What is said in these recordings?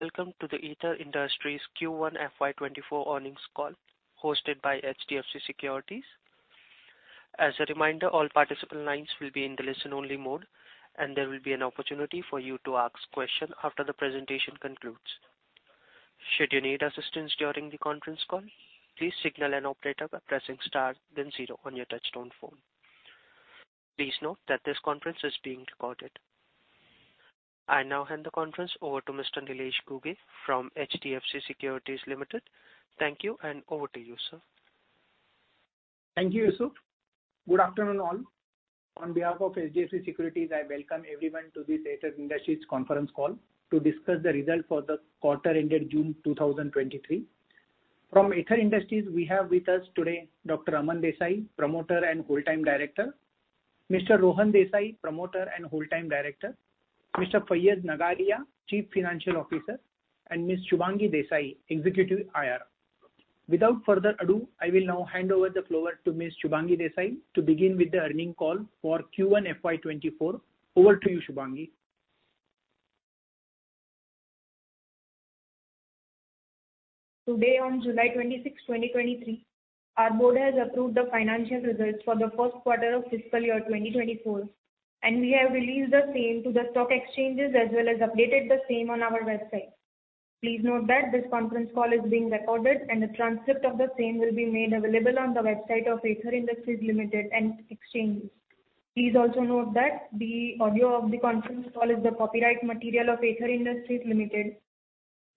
Welcome to the Aether Industries Q1 FY24 earnings call hosted by HDFC Securities. As a reminder, all participant lines will be in the listen-only mode and there will be an opportunity for you to ask questions after the presentation concludes. Should you need assistance during the conference call, please signal an operator by pressing star then zero on your touch-tone phone. Please note that this conference is being recorded. I now hand the conference over to Mr. Nilesh Ghuge from HDFC Securities Limited. Thank you and over to you, sir. Thank you, Yusuf. Good afternoon all. On behalf of HDFC Securities, I welcome everyone to this Aether Industries conference call to discuss the results for the quarter-ended June 2023. From Aether Industries, we have with us today Dr. Aman Desai, Promoter and Whole-Time Director; Mr. Rohan Desai, Promoter and Whole-Time Director; Mr. Faiz Nagariya, Chief Financial Officer; and Ms. Shubhangi Desai, Executive IR. Without further ado, I will now hand over the floor to Ms. Shubhangi Desai to begin with the earnings call for Q1 FY24. Over to you, Shubhangi. Today, on July 26, 2023, our board has approved the financial results for the first quarter of fiscal year 2024, and we have released the same to the stock exchanges as well as updated the same on our website. Please note that this conference call is being recorded and a transcript of the same will be made available on the website of Aether Industries Limited and exchanges. Please also note that the audio of the conference call is the copyright material of Aether Industries Limited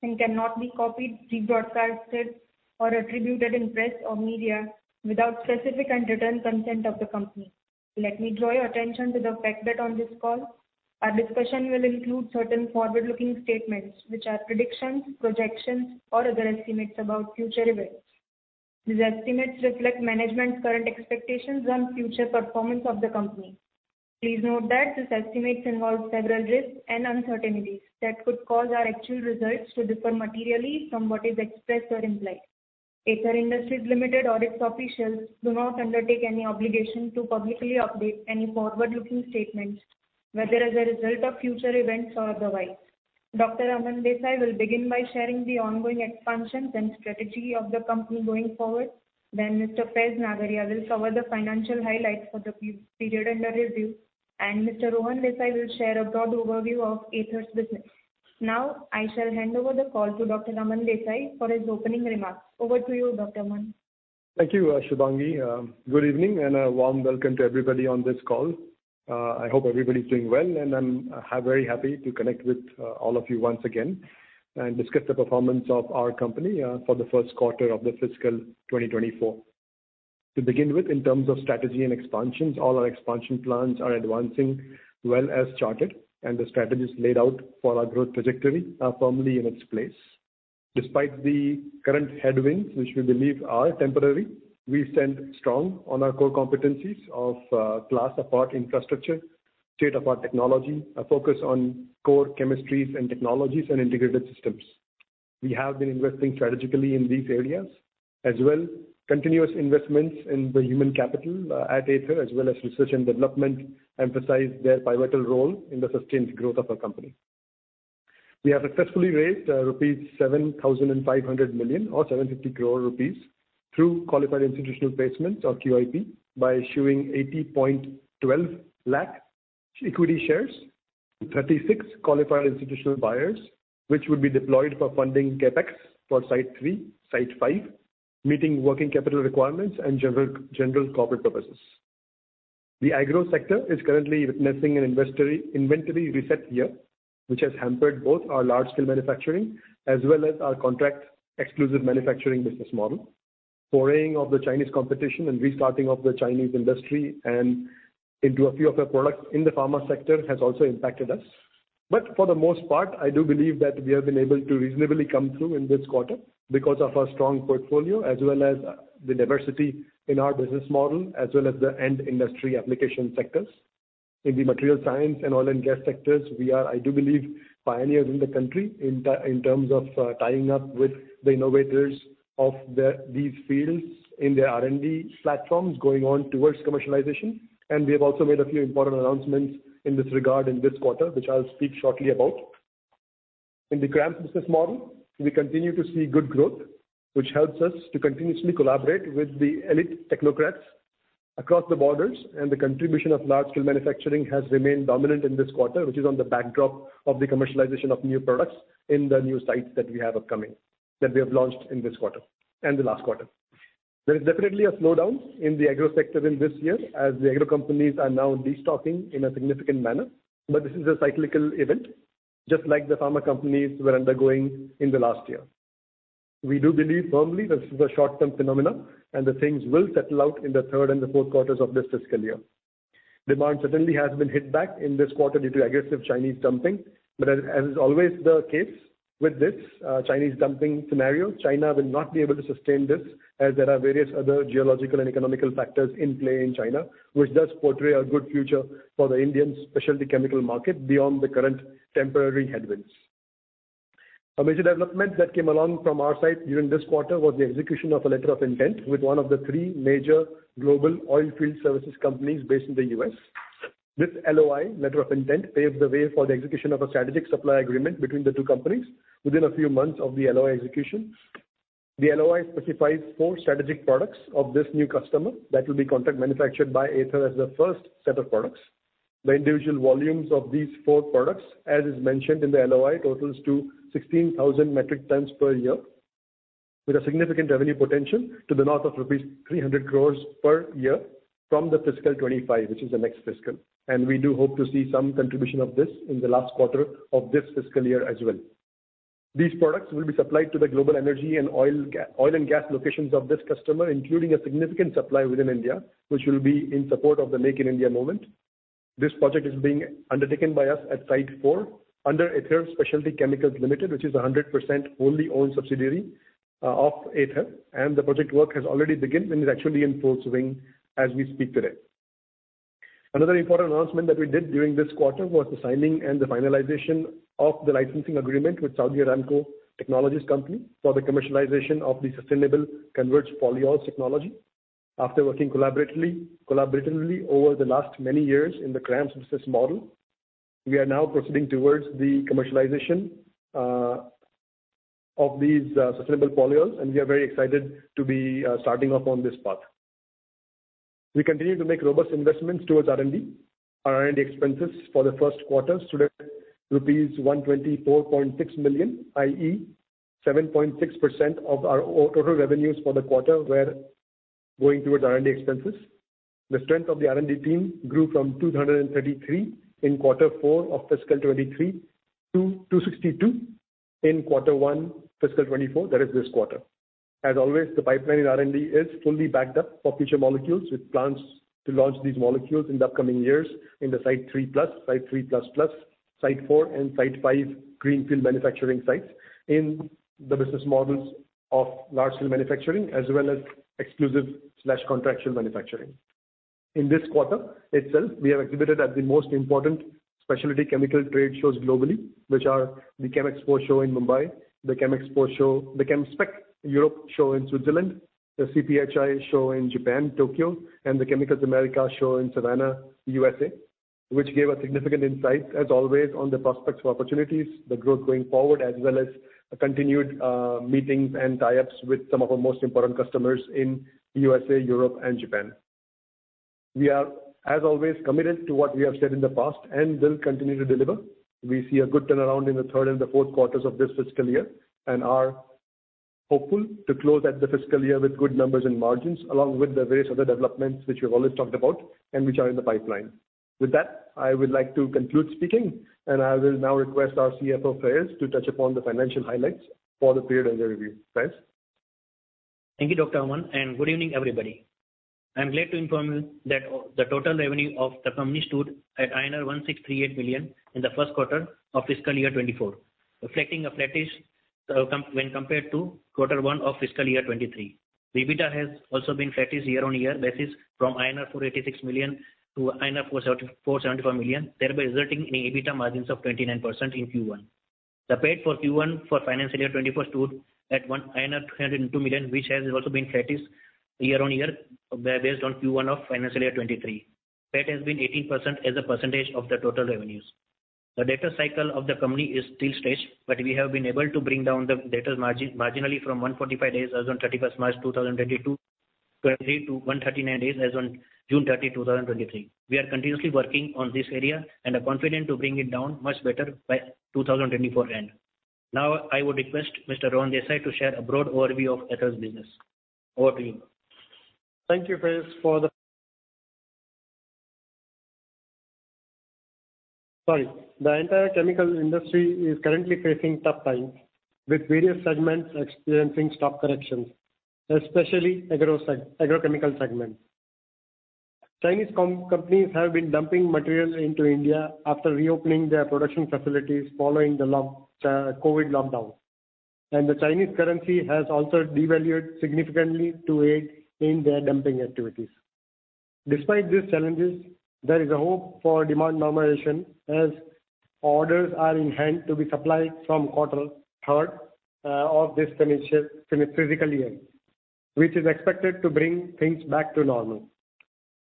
and cannot be copied, rebroadcast, or attributed in press or media without specific and written consent of the company. Let me draw your attention to the fact that on this call, our discussion will include certain forward-looking statements which are predictions, projections, or other estimates about future events. These estimates reflect management's current expectations on future performance of the company. Please note that these estimates involve several risks and uncertainties that could cause our actual results to differ materially from what is expressed or implied. Aether Industries Limited or its officials do not undertake any obligation to publicly update any forward-looking statements, whether as a result of future events or otherwise. Dr. Aman Desai will begin by sharing the ongoing expansions and strategy of the company going forward, then Mr. Faiz Nagariya will cover the financial highlights for the period under review, and Mr. Rohan Desai will share a broad overview of Aether's business. Now, I shall hand over the call to Dr. Aman Desai for his opening remarks. Over to you, Dr. Aman. Thank you, Shubhangi. Good evening and a warm welcome to everybody on this call. I hope everybody's doing well, and I'm very happy to connect with all of you once again and discuss the performance of our company for the first quarter of the fiscal 2024. To begin with, in terms of strategy and expansions, all our expansion plans are advancing well as charted, and the strategies laid out for our growth trajectory are firmly in its place. Despite the current headwinds, which we believe are temporary, we stand strong on our core competencies of class-apart infrastructure, state-apart technology, a focus on core chemistries and technologies, and integrated systems. We have been investing strategically in these areas, as well as continuous investments in the human capital at Aether, as well as research and development emphasize their pivotal role in the sustained growth of our company. We have successfully raised rupees 7,500 million or 750 crore rupees through qualified institutional placements or QIP by issuing 80.12 lakh equity shares to 36 qualified institutional buyers, which would be deployed for funding CAPEX for Site 3, Site 5, meeting working capital requirements and general corporate purposes. The agro sector is currently witnessing an inventory reset year, which has hampered both our large-scale manufacturing as well as our contract-exclusive manufacturing business model. Foraying of the Chinese competition and restarting of the Chinese industry into a few of our products in the pharma sector has also impacted us. But for the most part, I do believe that we have been able to reasonably come through in this quarter because of our strong portfolio as well as the diversity in our business model as well as the end-industry application sectors. In the material science and oil and gas sectors, we are, I do believe, pioneers in the country in terms of tying up with the innovators of these fields in their R&D platforms going on towards commercialization. We have also made a few important announcements in this regard in this quarter, which I'll speak shortly about. In the CRAMS business model, we continue to see good growth, which helps us to continuously collaborate with the elite technocrats across the borders, and the contribution of large-scale manufacturing has remained dominant in this quarter, which is on the backdrop of the commercialization of new products in the new sites that we have upcoming that we have launched in this quarter and the last quarter. There is definitely a slowdown in the agro sector in this year as the agro companies are now destocking in a significant manner, but this is a cyclical event just like the pharma companies were undergoing in the last year. We do believe firmly this is a short-term phenomenon and the things will settle out in the third and the fourth quarters of this fiscal year. Demand certainly has been hit back in this quarter due to aggressive Chinese dumping, but as is always the case with this Chinese dumping scenario, China will not be able to sustain this as there are various other geopolitical and economic factors in play in China, which does portray a good future for the Indian specialty chemical market beyond the current temporary headwinds. A major development that came along from our side during this quarter was the execution of a letter of intent with one of the three major global oilfield services companies based in the U.S. This LOI letter of intent paved the way for the execution of a strategic supply agreement between the two companies within a few months of the LOI execution. The LOI specifies four strategic products of this new customer that will be contract manufactured by Aether as the first set of products. The individual volumes of these four products, as is mentioned in the LOI, totals to 16,000 metric tons per year with a significant revenue potential to the north of rupees 300 crores per year from the fiscal 2025, which is the next fiscal. We do hope to see some contribution of this in the last quarter of this fiscal year as well. These products will be supplied to the global energy and oil and gas locations of this customer, including a significant supply within India, which will be in support of the Make in India moment. This project is being undertaken by us at Site 4 under Aether Specialty Chemicals Limited, which is a 100% wholly owned subsidiary of Aether, and the project work has already begun and is actually in full swing as we speak today. Another important announcement that we did during this quarter was the signing and the finalization of the licensing agreement with Saudi Aramco Technologies Company for the commercialization of the sustainable Converge Polyols technology. After working collaboratively over the last many years in the CRAMS business model, we are now proceeding towards the commercialization of these sustainable polyols, and we are very excited to be starting off on this path. We continue to make robust investments towards R&D. Our R&D expenses for the first quarter stood at rupees 124.6 million, i.e., 7.6% of our total revenues for the quarter were going towards R&D expenses. The strength of the R&D team grew from 233 in quarter four of fiscal 2023 to 262 in quarter one fiscal 2024, that is this quarter. As always, the pipeline in R&D is fully backed up for future molecules with plans to launch these molecules in the upcoming years in the Site 3+, Site 3++, Site 4, and Site 5 greenfield manufacturing sites in the business models of large-scale manufacturing as well as exclusive/contractual manufacturing. In this quarter itself, we have exhibited at the most important specialty chemical trade shows globally, which are the ChemExpo show in Mumbai, the ChemExpo show, the ChemSpec Europe show in Switzerland, the CPhI show in Japan, Tokyo, and the Chemicals America show in Savannah, USA, which gave a significant insight, as always, on the prospects for opportunities, the growth going forward, as well as continued meetings and tie-ups with some of our most important customers in the USA, Europe, and Japan. We are, as always, committed to what we have said in the past and will continue to deliver. We see a good turnaround in the third and the fourth quarters of this fiscal year and are hopeful to close out the fiscal year with good numbers and margins along with the various other developments which we've always talked about and which are in the pipeline. With that, I would like to conclude speaking, and I will now request our CFO Faiz to touch upon the financial highlights for the period under review. Faiz? Thank you, Dr. Aman, and good evening, everybody. I'm glad to inform you that the total revenue of the company stood at INR 1,638 million in the first quarter of fiscal year 2024, reflecting a flattish when compared to quarter one of fiscal year 2023. EBITDA has also been flattish year-on-year basis from INR 486 million to INR 474 million, thereby resulting in EBITDA margins of 29% in Q1. The PAT for Q1 for financial year 2024 stood at 202 million, which has also been flattish year-on-year based on Q1 of financial year 2023. PAT has been 18% as a percentage of the total revenues. The debtor cycle of the company is still stretched, but we have been able to bring down the debtor marginally from 145 days as on 31st March 2022 to 139 days as on June 30, 2023. We are continuously working on this area and are confident to bring it down much better by 2024 end. Now, I would request Mr. Rohan Desai to share a broad overview of Aether's business. Over to you. Thank you, Faiz, for the summary. The entire chemical industry is currently facing tough times with various segments experiencing stock corrections, especially agrochemical segments. Chinese companies have been dumping material into India after reopening their production facilities following the COVID lockdown, and the Chinese currency has also devalued significantly to aid in their dumping activities. Despite these challenges, there is a hope for demand normalization as orders are in hand to be supplied from quarter three of this fiscal year, which is expected to bring things back to normal.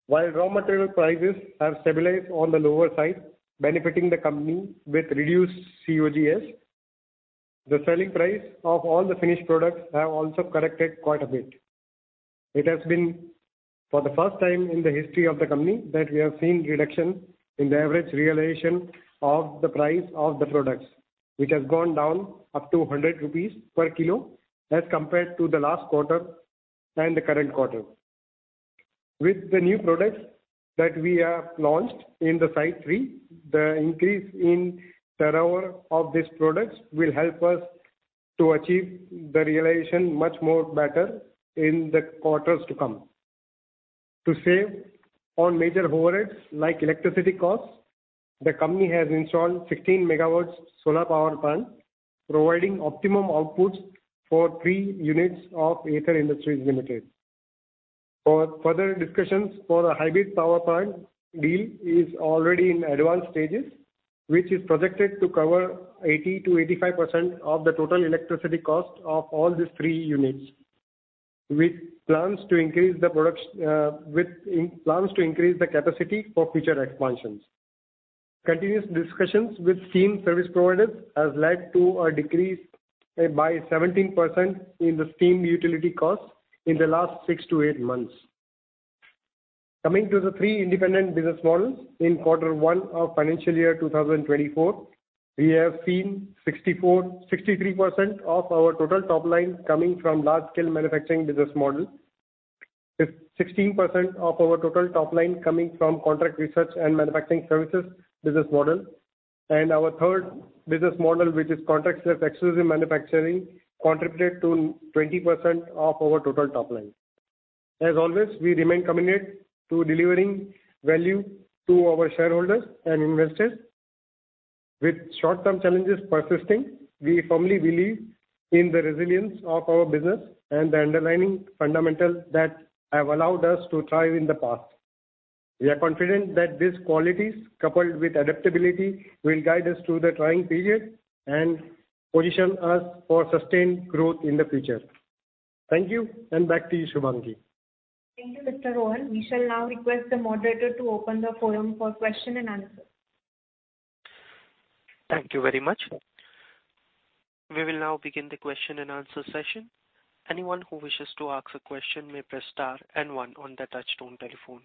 While raw material prices have stabilized on the lower side, benefiting the company with reduced COGS, the selling price of all the finished products has also corrected quite a bit. It has been for the first time in the history of the company that we have seen reduction in the average realization of the price of the products, which has gone down up to 100 rupees per kilo as compared to the last quarter and the current quarter. With the new products that we have launched in the Site 3, the increase in turnovers of these products will help us to achieve the realization much better in the quarters to come. To save on major overheads like electricity costs, the company has installed 16 MW solar power plant, providing optimum outputs for three units of Aether Industries Limited. Further discussions for a hybrid power plant deal are already in advanced stages, which are projected to cover 80%-85% of the total electricity cost of all these three units, with plans to increase the capacity for future expansions. Continuous discussions with steam service providers have led to a decrease by 17% in the steam utility costs in the last 6-8 months. Coming to the three independent business models, in quarter one of financial year 2024, we have seen 63% of our total top line coming from large-scale manufacturing business model, 16% of our total top line coming from contract research and manufacturing services business model, and our third business model, which is contract exclusive manufacturing, contributed to 20% of our total top line. As always, we remain committed to delivering value to our shareholders and investors. With short-term challenges persisting, we firmly believe in the resilience of our business and the underlying fundamentals that have allowed us to thrive in the past. We are confident that these qualities, coupled with adaptability, will guide us through the trying period and position us for sustained growth in the future. Thank you, and back to you, Shubhangi. Thank you, Mr. Rohan. We shall now request the moderator to open the forum for question and answer. Thank you very much. We will now begin the question and answer session. Anyone who wishes to ask a question may press star and one on the touchstone telephone.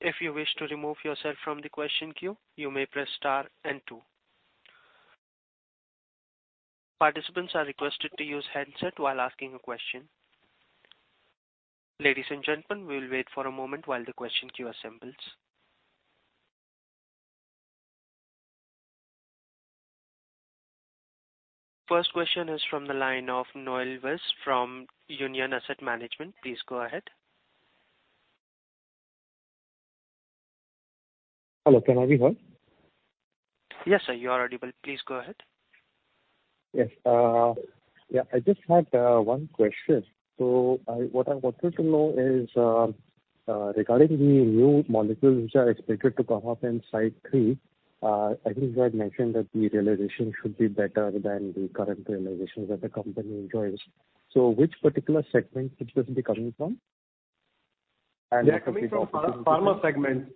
If you wish to remove yourself from the question queue, you may press star and two. Participants are requested to use headset while asking a question. Ladies and gentlemen, we will wait for a moment while the question queue assembles. First question is from the line of Noel Vaz from Union Asset Management. Please go ahead. Hello. Can I be heard? Yes, sir. You are audible. Please go ahead. Yes. Yeah, I just had one question. So what I wanted to know is regarding the new molecules which are expected to come up in Site 3. I think you had mentioned that the realization should be better than the current realizations that the company enjoys. So which particular segment should this be coming from? And the particular. Yeah, coming from pharma segment.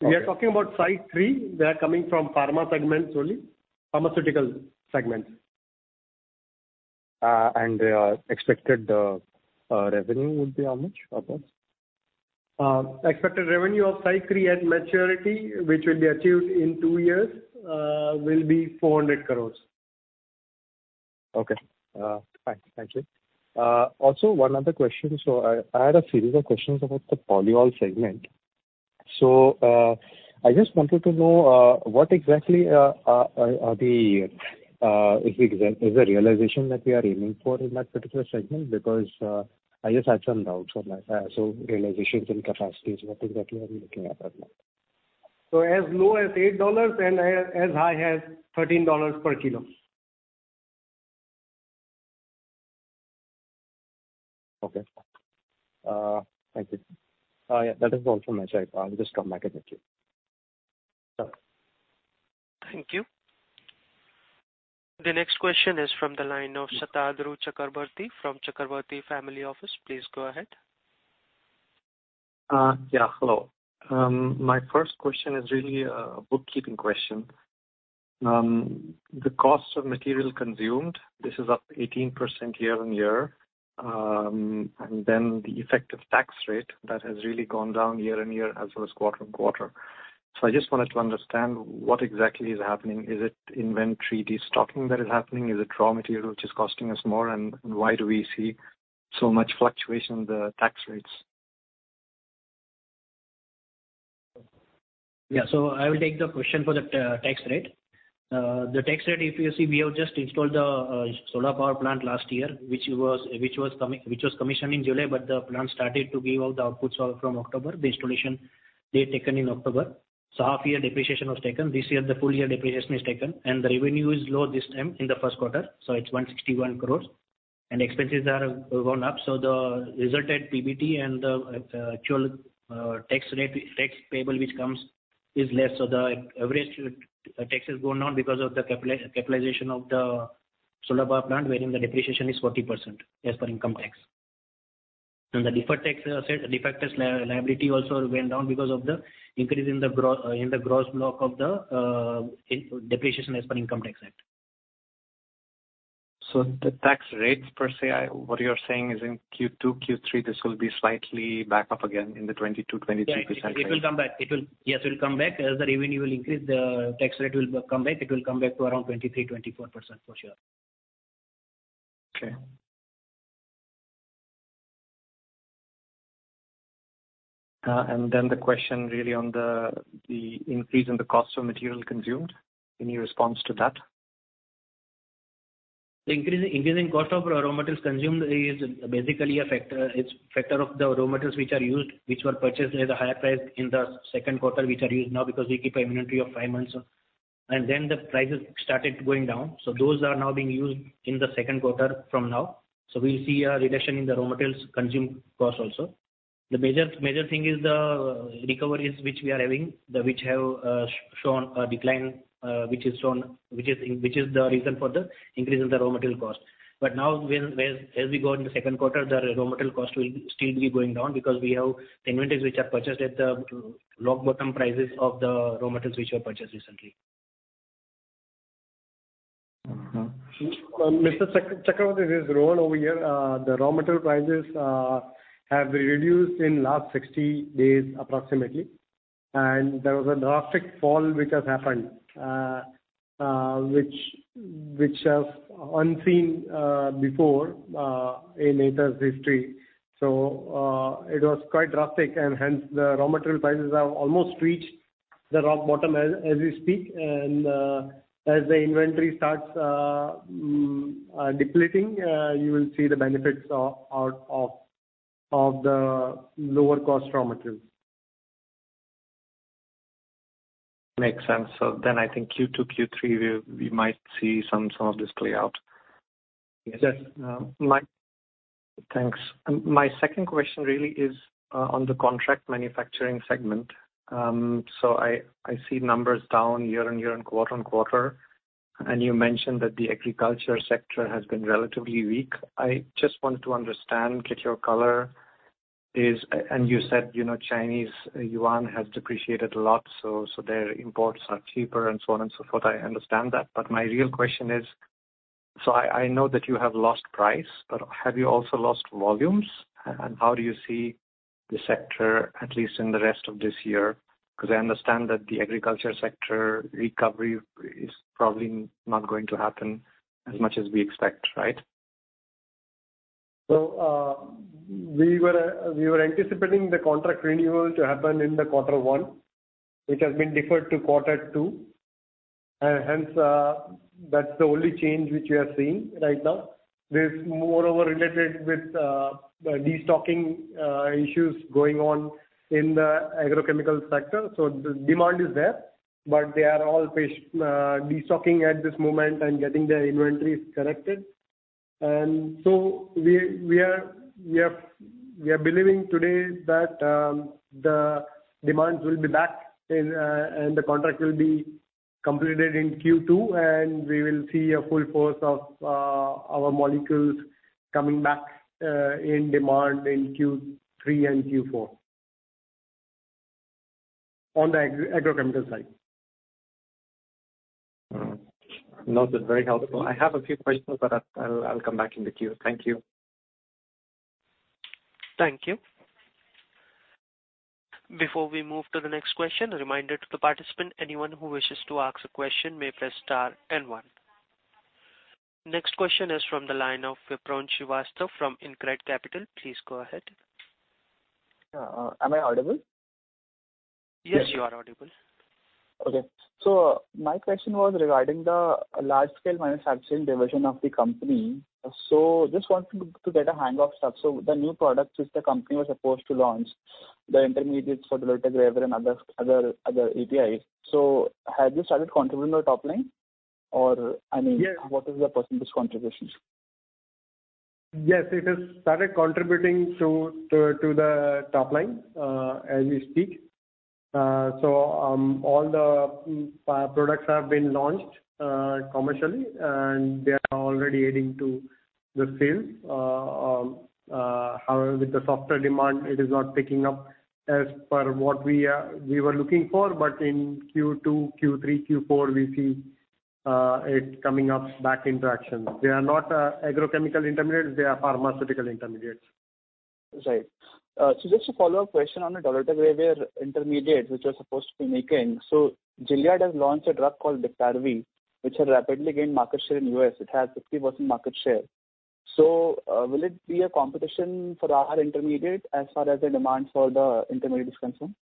We are talking about Site 3. They are coming from pharma segments only, pharmaceutical segments. The expected revenue would be how much approximately? Expected revenue of Site 3 at maturity, which will be achieved in 2 years, will be 400 crore. Okay. Fine. Thank you. Also, one other question. So I had a series of questions about the polyol segment. So I just wanted to know what exactly is the realization that we are aiming for in that particular segment because I just had some doubts on that. So. Realizations and capacities? What exactly are we looking at right now? As low as $8 and as high as $13 per kilo. Okay. Thank you. Yeah, that is also my side. I'll just come back and get you. Thank you. The next question is from the line of Satadru Chakraborty from Chakraborty Family Office. Please go ahead. Yeah. Hello. My first question is really a bookkeeping question. The cost of material consumed, this is up 18% year-on-year, and then the effective tax rate that has really gone down year-on-year as well as quarter-on-quarter. So I just wanted to understand what exactly is happening. Is it inventory destocking that is happening? Is it raw material which is costing us more, and why do we see so much fluctuation in the tax rates? Yeah. So I will take the question for the tax rate. The tax rate, if you see, we have just installed the solar power plant last year, which was commissioned in July, but the plant started to give out the outputs from October. The installation, they had taken in October. So half-year depreciation was taken. This year, the full-year depreciation is taken, and the revenue is low this time in the first quarter. So it's 161 crore, and expenses are gone up. So the resulted PBT and the actual tax payable which comes is less. So the average tax has gone down because of the capitalization of the solar power plant, wherein the depreciation is 40% as per Income Tax. And the deferred tax liability also went down because of the increase in the gross block of the depreciation as per Income Tax Act. So the tax rates per se, what you're saying is in Q2, Q3, this will be slightly back up again in the 22%-23% range? Yes. It will come back. Yes, it will come back. As the revenue will increase, the tax rate will come back. It will come back to around 23%-24% for sure. Okay. And then the question really on the increase in the cost of material consumed. Any response to that? The increasing cost of raw materials consumed is basically a factor. It's a factor of the raw materials which are used, which were purchased at a higher price in the second quarter, which are used now because we keep an inventory of five months. Then the prices started going down. Those are now being used in the second quarter from now. We'll see a reduction in the raw materials consumed cost also. The major thing is the recovery which we are having, which has shown a decline, which is the reason for the increase in the raw material cost. Now, as we go in the second quarter, the raw material cost will still be going down because we have the inventories which are purchased at the rock bottom prices of the raw materials which were purchased recently. Mr. Chakrabarty, this is Rohan over here. The raw material prices have reduced in the last 60 days approximately, and there was a drastic fall which has happened, which is unseen before in Aether's history. So it was quite drastic, and hence, the raw material prices have almost reached the rock bottom as we speak. And as the inventory starts depleting, you will see the benefits out of the lower-cost raw materials. Makes sense. So then I think Q2, Q3, we might see some of this play out. Yes? Yes. Thanks. My second question really is on the contract manufacturing segment. So I see numbers down year-on-year and quarter-on-quarter, and you mentioned that the agriculture sector has been relatively weak. I just wanted to understand, get your color, and you said Chinese yuan has depreciated a lot, so their imports are cheaper and so on and so forth. I understand that. But my real question is so I know that you have lost price, but have you also lost volumes? And how do you see the sector, at least in the rest of this year? Because I understand that the agriculture sector recovery is probably not going to happen as much as we expect, right? So we were anticipating the contract renewal to happen in quarter one, which has been deferred to quarter two. And hence, that's the only change which we are seeing right now. This is moreover related with the destocking issues going on in the agrochemical sector. So demand is there, but they are all destocking at this moment and getting their inventories corrected. And so we are believing today that the demands will be back, and the contract will be completed in Q2, and we will see a full force of our molecules coming back in demand in Q3 and Q4 on the agrochemical side. Noted. Very helpful. I have a few questions, but I'll come back in the queue. Thank you. Thank you. Before we move to the next question, a reminder to the participant: anyone who wishes to ask a question may press star and one. Next question is from the line of Vipraw Srivastava from InCred Capital. Please go ahead. Yeah. Am I audible? Yes, you are audible. Okay. So my question was regarding the large-scale manufacturing division of the company. So just wanted to get a hang of stuff. So the new products which the company was supposed to launch, the intermediates for Dolutegravir and other APIs. So has this started contributing to the top line? Or I mean, what is the percentage contribution? Yes. It has started contributing to the top line as we speak. So all the products have been launched commercially, and they are already adding to the sales. However, with the softer demand, it is not picking up as per what we were looking for. But in Q2, Q3, Q4, we see it coming back in traction. They are not agrochemical intermediates. They are pharmaceutical intermediates. Right. So just a follow-up question on the Dolutegravir intermediate which you're supposed to be making. So Gilead has launched a drug called Descovy, which has rapidly gained market share in the US. It has 50% market share. So will it be a competition for our intermediate as far as the demand for the intermediates concern?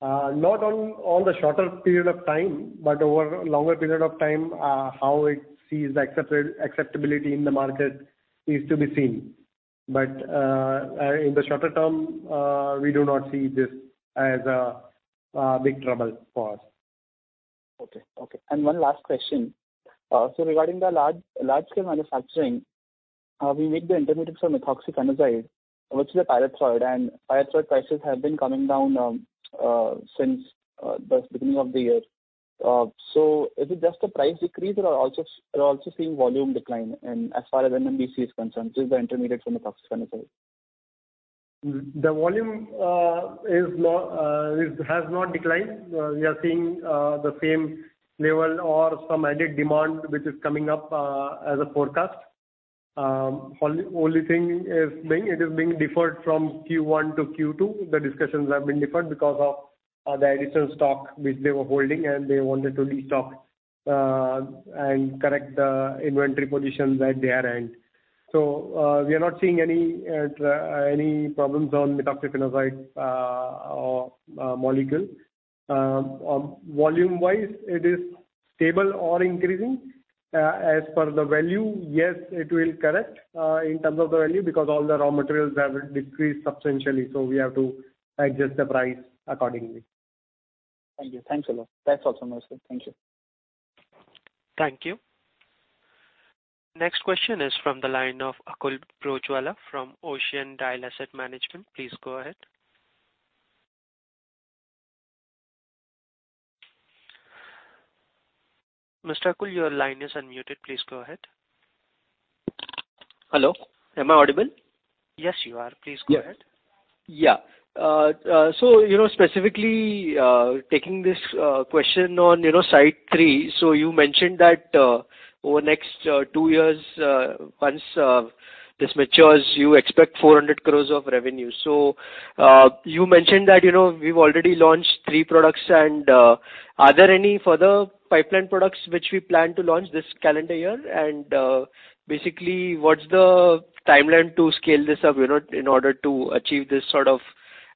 Not on the shorter period of time, but over a longer period of time, how it sees acceptability in the market is to be seen. But in the shorter term, we do not see this as a big trouble for us. Okay. Okay. And one last question. So regarding the large-scale manufacturing, we make the intermediate for Methoxyfenozide, which is a pyrethroid, and pyrethroid prices have been coming down since the beginning of the year. So is it just a price decrease, or are you also seeing volume decline as far as MMBC is concerned, which is the intermediate for Methoxyfenozide? The volume has not declined. We are seeing the same level or some added demand which is coming up as a forecast. The only thing is it is being deferred from Q1-Q2. The discussions have been deferred because of the additional stock which they were holding, and they wanted to destock and correct the inventory position that they are in. So we are not seeing any problems on Methoxyfenozide molecule. Volume-wise, it is stable or increasing. As for the value, yes, it will correct in terms of the value because all the raw materials have decreased substantially. So we have to adjust the price accordingly. Thank you. Thanks a lot. That's all from my side. Thank you. Thank you. Next question is from the line of Akul Broachwala from Ocean Dial Asset Management. Please go ahead. Mr. Akul, your line is unmuted. Please go ahead. Hello? Am I audible? Yes, you are. Please go ahead. Yeah. Yeah. So specifically taking this question on Site 3, so you mentioned that over the next 2 years, once this matures, you expect 400 crore of revenue. So you mentioned that we've already launched 3 products. And are there any further pipeline products which we plan to launch this calendar year? And basically, what's the timeline to scale this up in order to achieve this sort of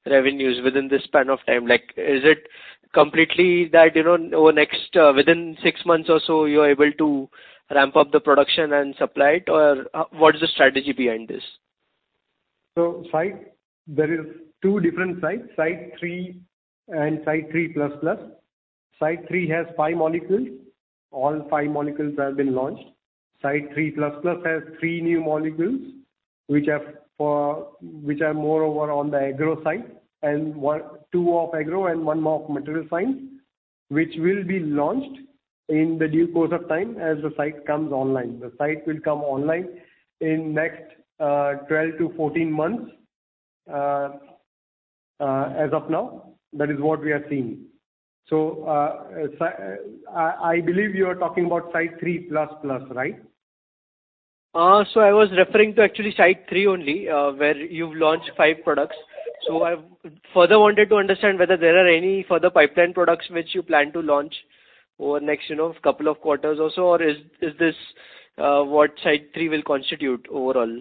revenues within this span of time? Is it completely that over the next within 6 months or so, you're able to ramp up the production and supply it, or what's the strategy behind this? So there are two different sites, Site 3 and Site 3++. Site 3 has five molecules. All five molecules have been launched. Site 3++ has three new molecules which are moreover on the agro side, two of agro and one more of material side, which will be launched in the due course of time as the site comes online. The site will come online in the next 12-14 months as of now. That is what we are seeing. So I believe you are talking about Site 3++, right? I was referring to actually Site 3 only, where you've launched five products. I further wanted to understand whether there are any further pipeline products which you plan to launch over the next couple of quarters also, or is this what Site 3 will constitute overall?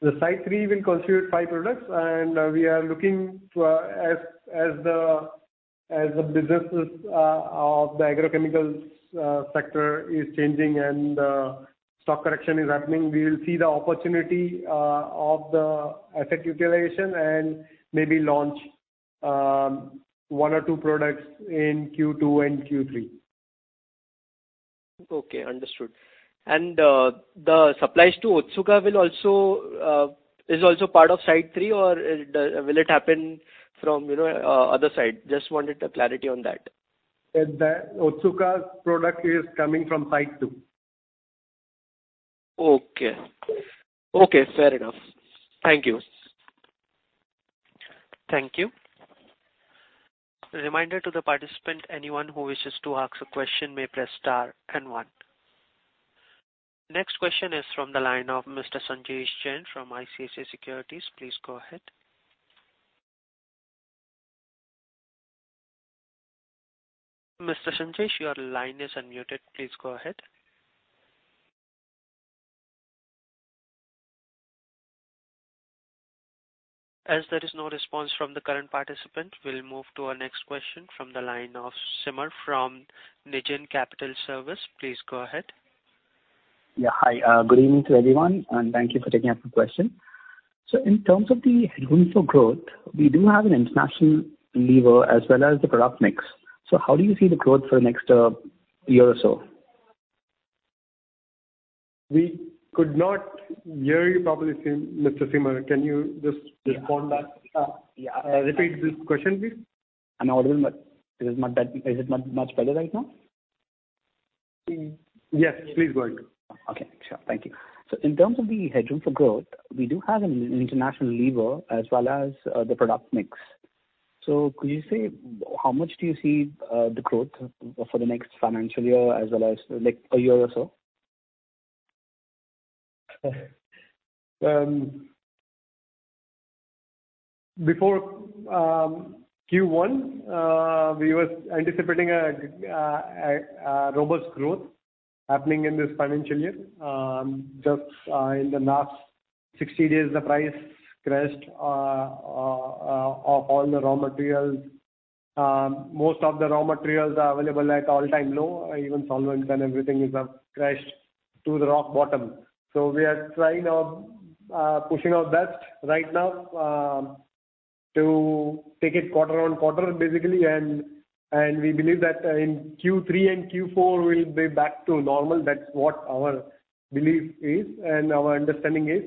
The Site 3 will constitute five products. And we are looking as the businesses of the agrochemical sector are changing and the stock correction is happening, we will see the opportunity of the asset utilization and maybe launch one or two products in Q2 and Q3. Okay. Understood. And the supplies to Otsuka is also part of Site 3, or will it happen from the other side? Just wanted clarity on that. Otsuka's product is coming from Site 2. Okay. Okay. Fair enough. Thank you. Thank you. Reminder to the participant: anyone who wishes to ask a question may press star and one. Next question is from the line of Mr. Sanjesh Jain from ICICI Securities. Please go ahead. Mr. Sanjesh, your line is unmuted. Please go ahead. As there is no response from the current participant, we'll move to our next question from the line of Simar from Negen Capital. Please go ahead. Yeah. Hi. Good evening to everyone, and thank you for taking up the question. So in terms of the headroom for growth, we do have an international lever as well as the product mix. So how do you see the growth for the next year or so? We could not hear you properly, Mr. Simar. Can you just respond back? Yeah. Repeat this question, please? I'm audible, but is it much better right now? Yes. Please go ahead. Okay. Sure. Thank you. So in terms of the headroom for growth, we do have an international lever as well as the product mix. So could you say how much do you see the growth for the next financial year as well as a year or so? Before Q1, we were anticipating a robust growth happening in this financial year. Just in the last 60 days, the price crashed off all the raw materials. Most of the raw materials are available at all-time low. Even solvents and everything have crashed to the rock bottom. So we are trying our pushing our best right now to take it quarter on quarter, basically. And we believe that in Q3 and Q4, we'll be back to normal. That's what our belief is and our understanding is.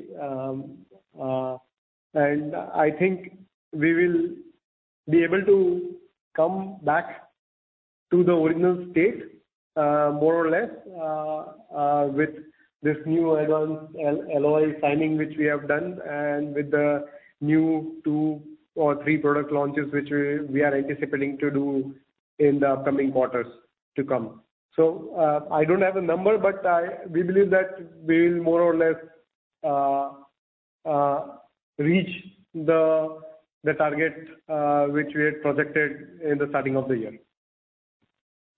And I think we will be able to come back to the original state more or less with this new advanced LOI signing which we have done and with the new 2 or 3 product launches which we are anticipating to do in the upcoming quarters to come. I don't have a number, but we believe that we will more or less reach the target which we had projected in the starting of the year.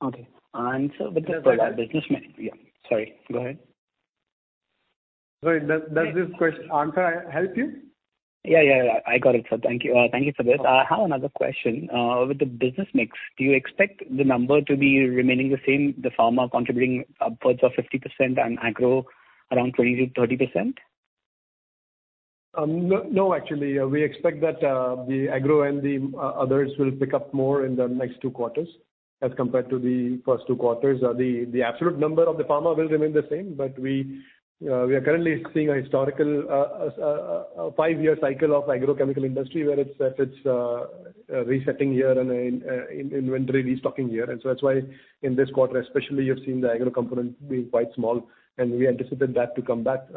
Okay. With the.... Sorry. Go ahead. Sorry. Does this answer help you? Yeah. Yeah. Yeah. I got it, sir. Thank you. Thank you for this. I have another question. With the business mix, do you expect the number to be remaining the same, the pharma contributing upwards of 50% and agro around 20%-30%? No, actually. We expect that the agro and the others will pick up more in the next two quarters as compared to the first two quarters. The absolute number of the pharma will remain the same, but we are currently seeing a historical five-year cycle of agrochemical industry where it's resetting year and inventory restocking year. And so that's why in this quarter, especially, you've seen the agro component being quite small, and we anticipate that to come back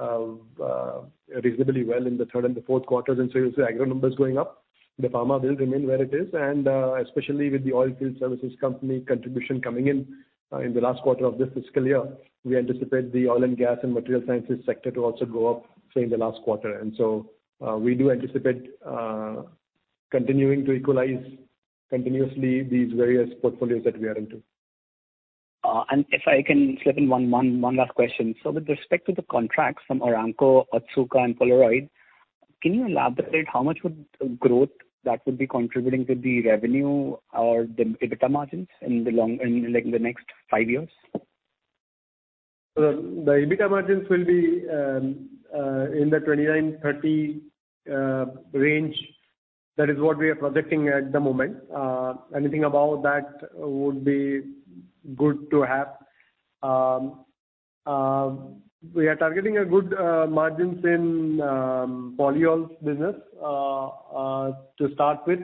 reasonably well in the third and the fourth quarters. And so you'll see agro numbers going up. The pharma will remain where it is. And especially with the oilfield services company contribution coming in in the last quarter of this fiscal year, we anticipate the oil and gas and material sciences sector to also go up in the last quarter. We do anticipate continuing to equalize continuously these various portfolios that we are into. If I can slip in one last question. With respect to the contracts from Aramco, Otsuka, and Polaroid, can you elaborate how much growth that would be contributing to the revenue or the EBITDA margins in the next five years? The EBITDA margins will be in the 29%-30% range. That is what we are projecting at the moment. Anything above that would be good to have. We are targeting good margins in polyols business to start with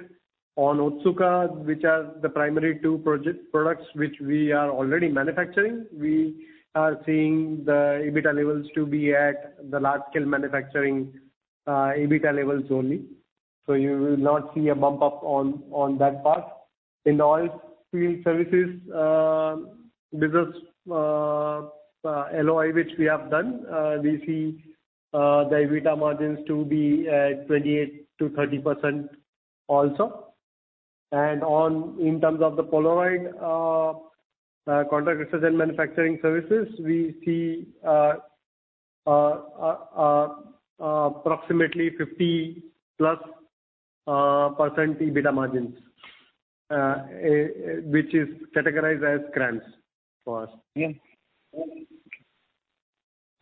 on Otsuka, which are the primary two products which we are already manufacturing. We are seeing the EBITDA levels to be at the large-scale manufacturing EBITDA levels only. So you will not see a bump up on that part. In the oilfield services business alloy which we have done, we see the EBITDA margins to be at 28%-30% also. And in terms of the Polaroid contract research and manufacturing services, we see approximately 50%+ EBITDA margins, which is categorized as CRAMS for us. Again.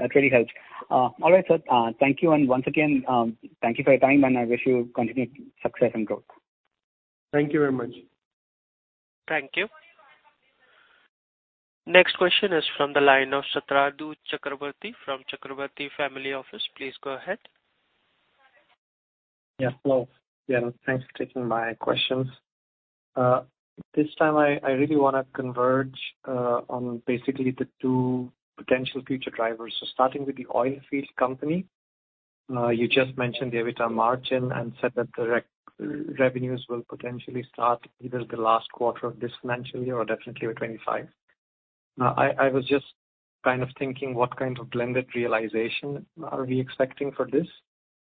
That really helps. All right, sir. Thank you. And once again, thank you for your time, and I wish you continued success and growth. Thank you very much. Thank you. Next question is from the line of Satadhru Chakrabarty from Chakrabarty Family Office. Please go ahead. Yes. Hello. Yeah. Thanks for taking my questions. This time, I really want to converge on basically the two potential future drivers. So starting with the oilfield company, you just mentioned the EBITDA margin and said that the revenues will potentially start either the last quarter of this financial year or definitely the 2025. I was just kind of thinking what kind of blended realization are we expecting for this?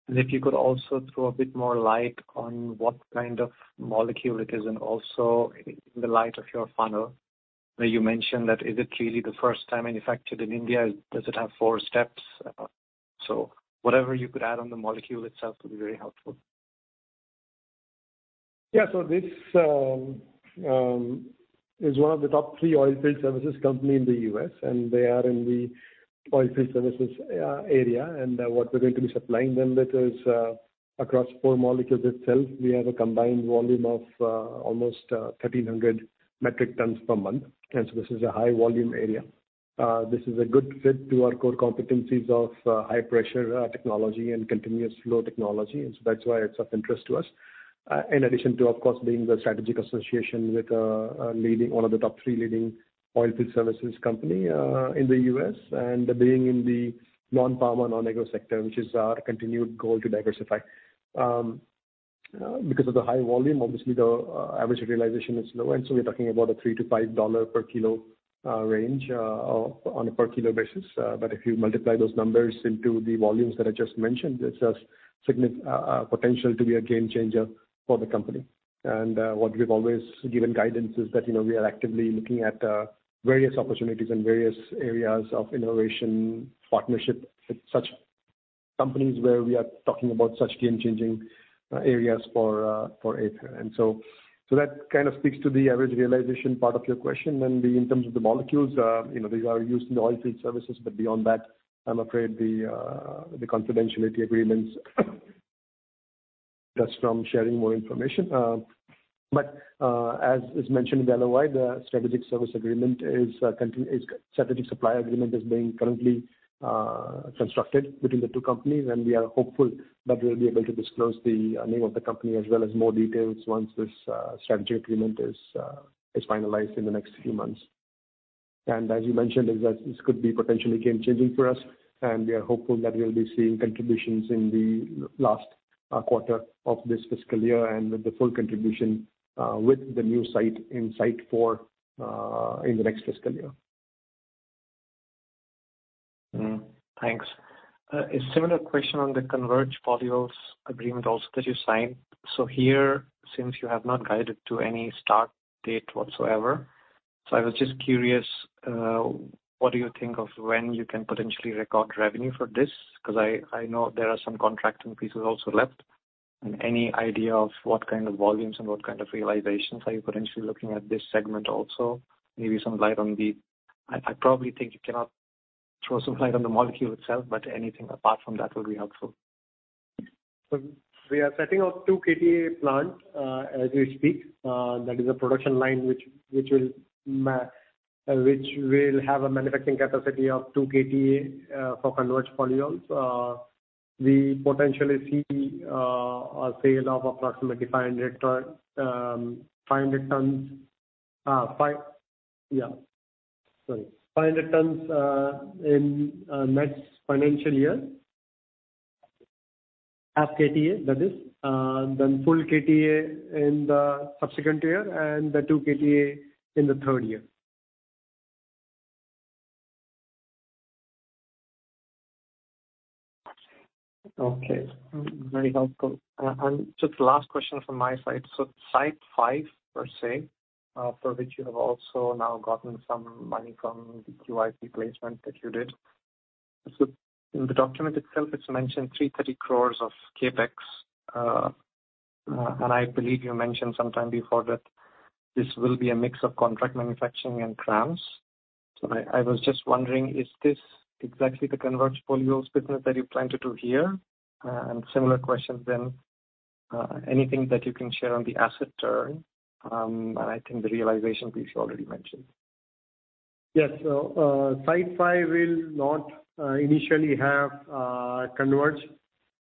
And if you could also throw a bit more light on what kind of molecule it is and also in the light of your funnel where you mentioned that is it really the first time manufactured in India? Does it have four steps? So whatever you could add on the molecule itself would be very helpful. Yeah. So this is one of the top three oilfield services companies in the US, and they are in the oilfield services area. And what we're going to be supplying them with is across four molecules itself, we have a combined volume of almost 1,300 metric tons per month. And so this is a high-volume area. This is a good fit to our core competencies of high-pressure technology and continuous flow technology. And so that's why it's of interest to us, in addition to, of course, being the strategic association with one of the top three leading oilfield services companies in the US and being in the non-pharma, non-agro sector, which is our continued goal to diversify. Because of the high volume, obviously, the average utilization is low. And so we're talking about a $3-$5 per kilo range on a per-kilo basis. But if you multiply those numbers into the volumes that I just mentioned, it's a potential to be a game changer for the company. And what we've always given guidance is that we are actively looking at various opportunities and various areas of innovation partnership with such companies where we are talking about such game-changing areas for API. And so that kind of speaks to the average realization part of your question. And in terms of the molecules, these are used in the oilfield services. But beyond that, I'm afraid the confidentiality agreements just from sharing more information. But as mentioned in the LOI, the strategic service agreement is strategic supply agreement is being currently constructed between the two companies. We are hopeful that we'll be able to disclose the name of the company as well as more details once this strategic agreement is finalized in the next few months. As you mentioned, this could be potentially game-changing for us. We are hopeful that we'll be seeing contributions in the last quarter of this fiscal year and with the full contribution with the new site in Site 4 in the next fiscal year. Thanks. A similar question on the Converge Polyols agreement also that you signed. So here, since you have not guided to any start date whatsoever, so I was just curious, what do you think of when you can potentially record revenue for this? Because I know there are some contracting pieces also left. And any idea of what kind of volumes and what kind of realizations are you potentially looking at this segment also? Maybe some light on the I probably think you cannot throw some light on the molecule itself, but anything apart from that would be helpful. So we are setting up 2 KTA plants as we speak. That is a production line which will have a manufacturing capacity of 2 KTA for Converge Polyols. We potentially see a sale of approximately 500 tons, yeah. Sorry. 500 tons in next financial year. 0.5 KTA, that is. Then 1 KTA in the subsequent year and the 2 KTA in the third year. Okay. Very helpful. And just the last question from my side. So Site 5, per se, for which you have also now gotten some money from the QIP placement that you did. In the document itself, it's mentioned 330 crores of CapEx. And I believe you mentioned sometime before that this will be a mix of contract manufacturing and CRAMS. So I was just wondering, is this exactly the Converge Polyols business that you plan to do here? And similar questions then, anything that you can share on the asset turn. And I think the realization piece you already mentioned. Yes. So Site 5 will not initially have Converge.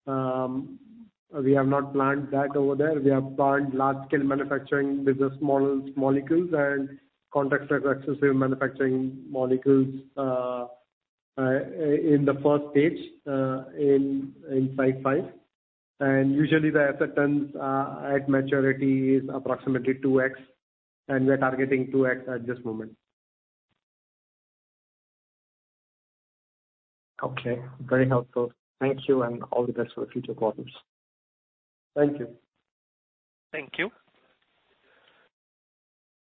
We have not planned that over there. We have planned large-scale manufacturing business models, molecules, and contract exclusive manufacturing molecules in the first stage in Site 5. And usually, the asset turns at maturity is approximately 2x, and we are targeting 2x at this moment. Okay. Very helpful. Thank you, and all the best for the future quarters. Thank you. Thank you.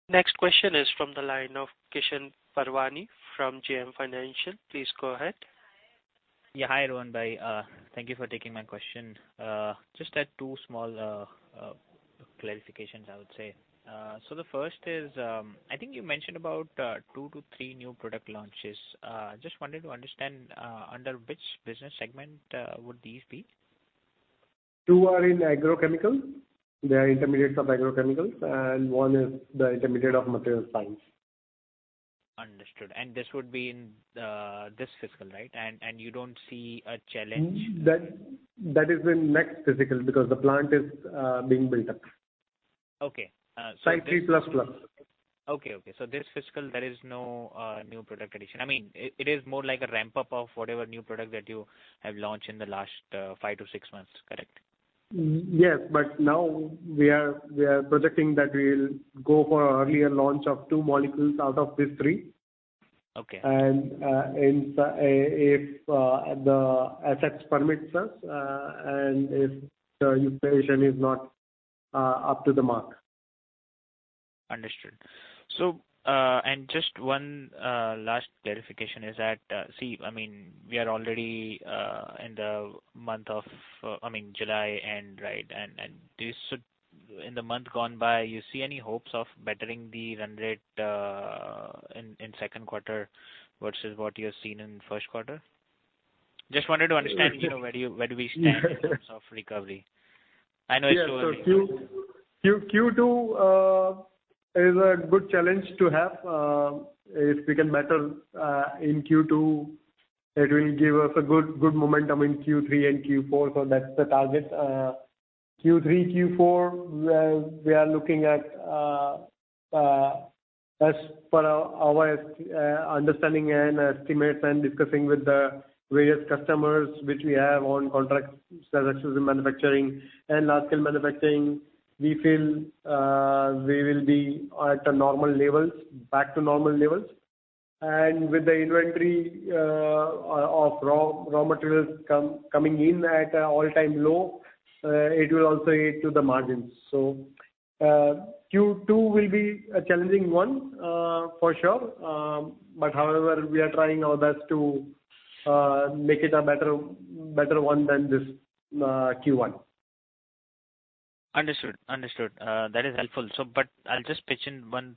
Next question is from the line of Kishan Parvani from JM Financial. Please go ahead. Yeah. Hi, everyone. Thank you for taking my question. Just had 2 small clarifications, I would say. So the first is, I think you mentioned about 2-3 new product launches. Just wanted to understand under which business segment would these be? Two are in agrochemicals. They are intermediates of agrochemicals. One is the intermediate of materials science. Understood. And this would be in this fiscal, right? And you don't see a challenge? That is the next fiscal because the plant is being built up. Okay. So. Site 3++. Okay. Okay. So this fiscal, there is no new product addition. I mean, it is more like a ramp-up of whatever new product that you have launched in the last five to six months, correct? Yes. But now, we are projecting that we'll go for an earlier launch of two molecules out of these three. And if the assets permit us and if the utilization is not up to the mark. Understood. Just one last clarification is that see, I mean, we are already in the month of I mean, July end, right? In the month gone by, you see any hopes of bettering the run rate in second quarter versus what you have seen in first quarter? Just wanted to understand where do we stand in terms of recovery. I know it's slow. Yeah. So Q2 is a good challenge to have. If we can better in Q2, it will give us a good momentum in Q3 and Q4. So that's the target. Q3, Q4, we are looking at as per our understanding and estimates and discussing with the various customers which we have on contract exclusive manufacturing and large-scale manufacturing, we feel we will be at normal levels, back to normal levels. And with the inventory of raw materials coming in at an all-time low, it will also aid to the margins. So Q2 will be a challenging one for sure. But however, we are trying our best to make it a better one than this Q1. Understood. Understood. That is helpful. But I'll just pitch in one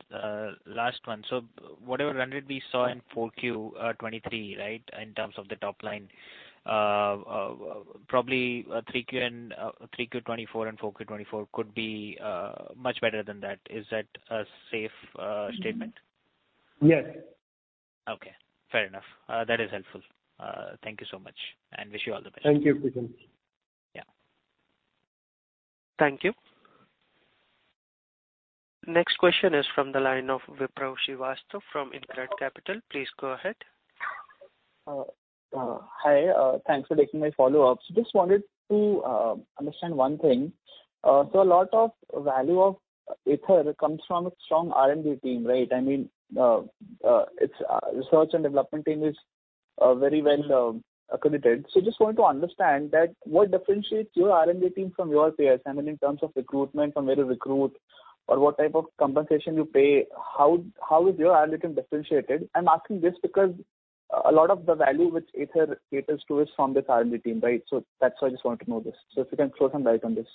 last one. So whatever run rate we saw in 4Q23, right, in terms of the top line, probably 3Q24 and 4Q24 could be much better than that. Is that a safe statement? Yes. Okay. Fair enough. That is helpful. Thank you so much and wish you all the best. Thank you, Kishan. Yeah. Thank you. Next question is from the line of Vipraw Srivastava from InCred Capital. Please go ahead. Hi. Thanks for taking my follow-up. So just wanted to understand one thing. So a lot of value of Aether comes from a strong R&D team, right? I mean, its research and development team is very well accredited. So just wanted to understand that what differentiates your R&D team from your peers? I mean, in terms of recruitment, from where you recruit, or what type of compensation you pay, how is your R&D team differentiated? I'm asking this because a lot of the value which Aether caters to is from this R&D team, right? So that's why I just wanted to know this. So if you can throw some light on this.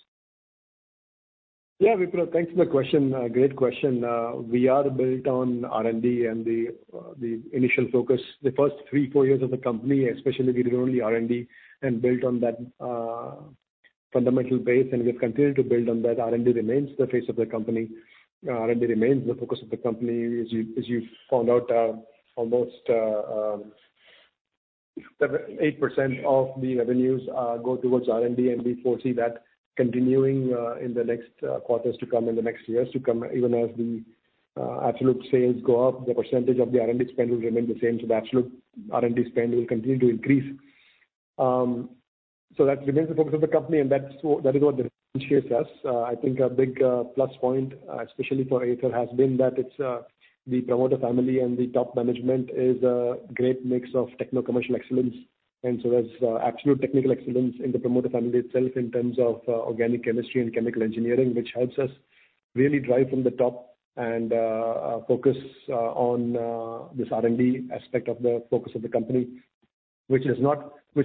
Yeah, Vipraw, thanks for the question. Great question. We are built on R&D and the initial focus. The first 3, 4 years of the company, especially we did only R&D and built on that fundamental base. We have continued to build on that. R&D remains the face of the company. R&D remains the focus of the company. As you found out, almost 8% of the revenues go towards R&D. We foresee that continuing in the next quarters to come, in the next years to come, even as the absolute sales go up, the percentage of the R&D spend will remain the same. So the absolute R&D spend will continue to increase. So that remains the focus of the company, and that is what differentiates us. I think a big plus point, especially for API, has been that the promoter family and the top management is a great mix of techno-commercial excellence. So there's absolute technical excellence in the promoter family itself in terms of organic chemistry and chemical engineering, which helps us really drive from the top and focus on this R&D aspect of the focus of the company, which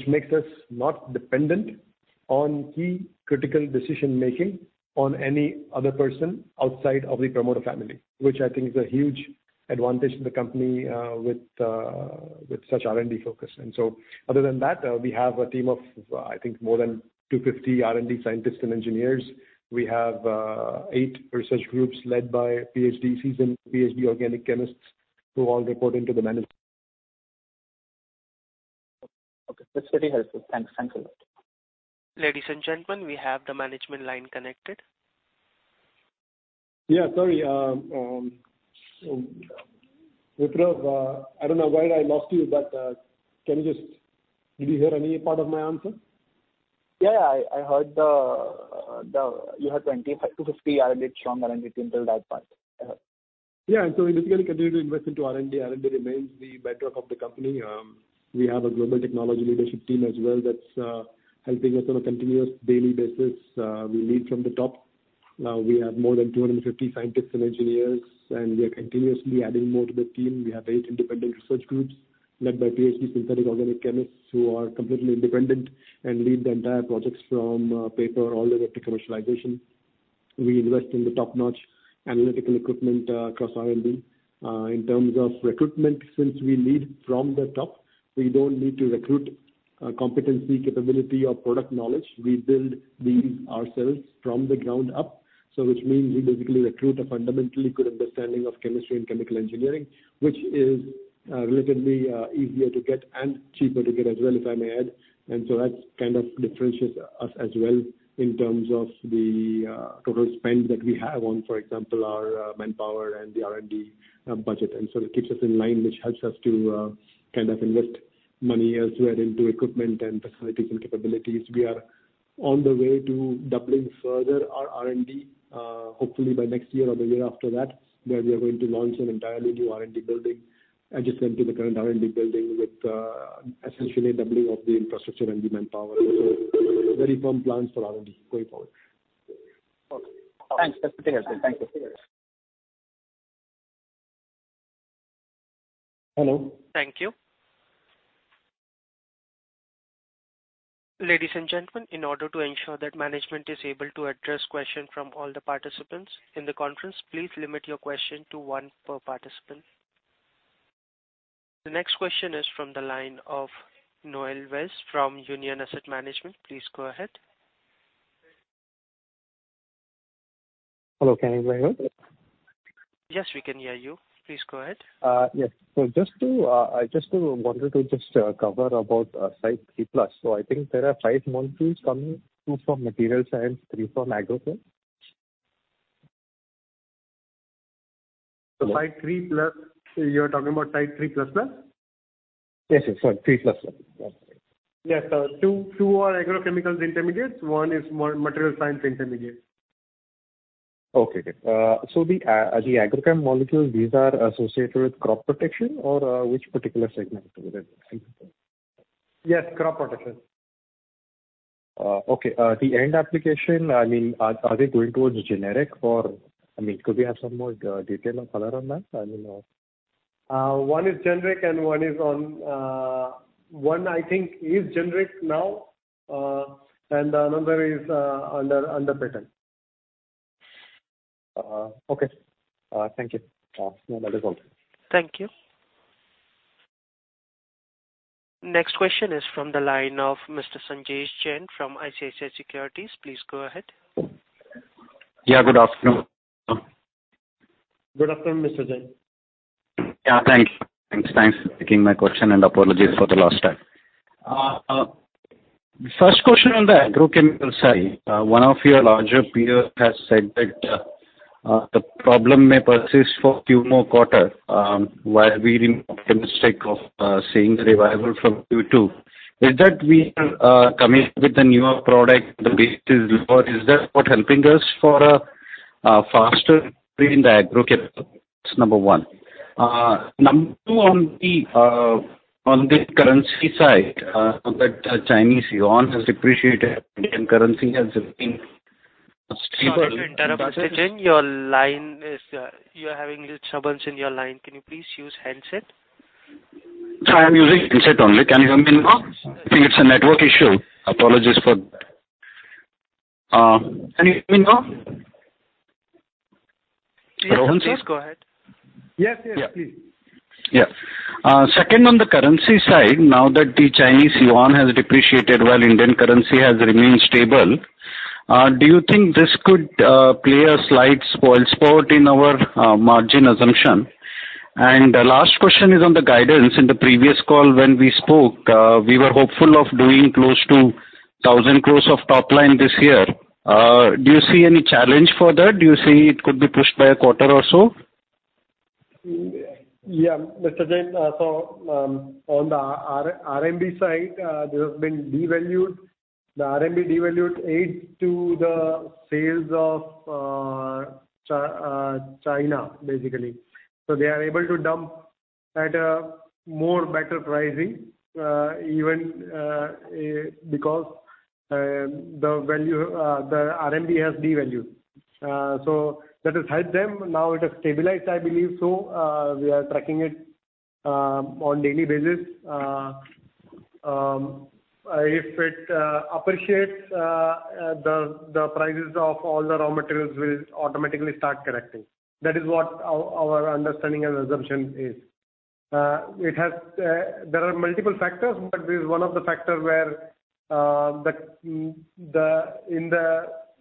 makes us not dependent on key critical decision-making on any other person outside of the promoter family, which I think is a huge advantage to the company with such R&D focus. Other than that, we have a team of, I think, more than 250 R&D scientists and engineers. We have eight research groups led by PhDs and PhD organic chemists who all report into the management. Okay. That's very helpful. Thanks. Thanks a lot. Ladies and gentlemen, we have the management line connected. Yeah. Sorry. Vipraw, I don't know why I lost you, but can you just did you hear any part of my answer? Yeah. Yeah. I heard you had 250-strong R&D team till that part. I heard. Yeah. And so we basically continue to invest into R&D. R&D remains the bedrock of the company. We have a global technology leadership team as well that's helping us on a continuous daily basis. We lead from the top. We have more than 250 scientists and engineers, and we are continuously adding more to the team. We have eight independent research groups led by PhD synthetic organic chemists who are completely independent and lead the entire projects from paper all the way up to commercialization. We invest in the top-notch analytical equipment across R&D. In terms of recruitment, since we lead from the top, we don't need to recruit competency, capability, or product knowledge. We build these ourselves from the ground up, which means we basically recruit a fundamentally good understanding of chemistry and chemical engineering, which is relatively easier to get and cheaper to get as well, if I may add. And so that kind of differentiates us as well in terms of the total spend that we have on, for example, our manpower and the R&D budget. And so it keeps us in line, which helps us to kind of invest money elsewhere into equipment and facilities and capabilities. We are on the way to doubling further our R&D, hopefully by next year or the year after that, where we are going to launch an entirely new R&D building adjacent to the current R&D building with essentially doubling of the infrastructure and the manpower. So very firm plans for R&D going forward. Okay. Thanks. That's the thing, I think. Thank you. Hello? Thank you. Ladies and gentlemen, in order to ensure that management is able to address questions from all the participants in the conference, please limit your question to one per participant. The next question is from the line of Noel Vaz from Union Asset Management. Please go ahead. Hello. Can you hear me very well? Yes, we can hear you. Please go ahead. Yes. So I just wanted to just cover about Site 3+. So I think there are five molecules coming, two from materials science, three from agrochemicals. So Site 3+ you're talking about Site 3++? Yes. Yes. Sorry. 3++. Yes. Two are agrochemicals intermediates. One is material science intermediate. Okay. Okay. So the agrochem molecules, these are associated with crop protection or which particular segment? Yes. Crop protection. Okay. The end application, I mean, are they going towards generic or I mean, could we have some more detail of color on that? I mean. One is generic, and one is on one, I think, is generic now, and another is under patent. Okay. Thank you. That is all. Thank you. Next question is from the line of Mr. Sanjesh Jain from ICICI Securities. Please go ahead. Yeah. Good afternoon. Good afternoon, Mr. Jain. Yeah. Thanks. Thanks. Thanks for taking my question, and apologies for the last time. The first question on the agrochemical side, one of your larger peers has said that the problem may persist for a few more quarters. While we didn't make the mistake of seeing the revival from Q2, is that we are coming with the newer product, the rate is lower, is that what's helping us for a faster spree in the agrochemical? That's number one. Number two, on the currency side, that Chinese yuan has depreciated. Indian currency has been stable. Sorry to interrupt, Mr. Sanjesh Jain. You are having little troubles in your line. Can you please use handset? I am using handset only. Can you hear me now? I think it's a network issue. Apologies for that. Can you hear me now? Yes. Please go ahead. Yes. Yeah. Second, on the currency side, now that the Chinese yuan has depreciated while Indian currency has remained stable, do you think this could play a slight spoil sport in our margin assumption? And the last question is on the guidance. In the previous call when we spoke, we were hopeful of doing close to 1,000 crore of top line this year. Do you see any challenge for that? Do you see it could be pushed by a quarter or so? Yeah. Mr. Jain, so on the RMB side, there has been devaluation. The RMB devaluation aided the sales in China, basically. So they are able to dump at a better pricing even because the RMB has devalued. So that has helped them. Now it has stabilized, I believe. So we are tracking it on a daily basis. If it appreciates, the prices of all the raw materials will automatically start correcting. That is what our understanding and assumption is. There are multiple factors, but there is one of the factors where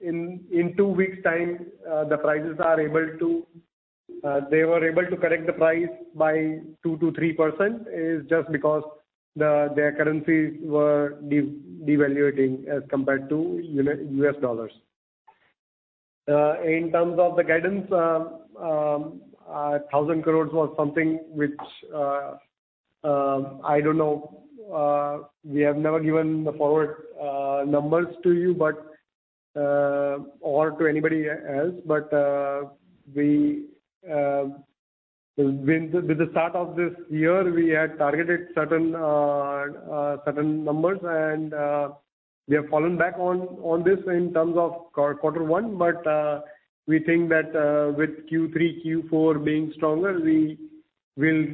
in two weeks' time, the prices are able to they were able to correct the price by 2%-3% is just because their currencies were devaluing as compared to US dollars. In terms of the guidance, 1,000 crores was something which I don't know. We have never given the forward numbers to you or to anybody else. With the start of this year, we had targeted certain numbers, and we have fallen back on this in terms of quarter one. We think that with Q3, Q4 being stronger, we will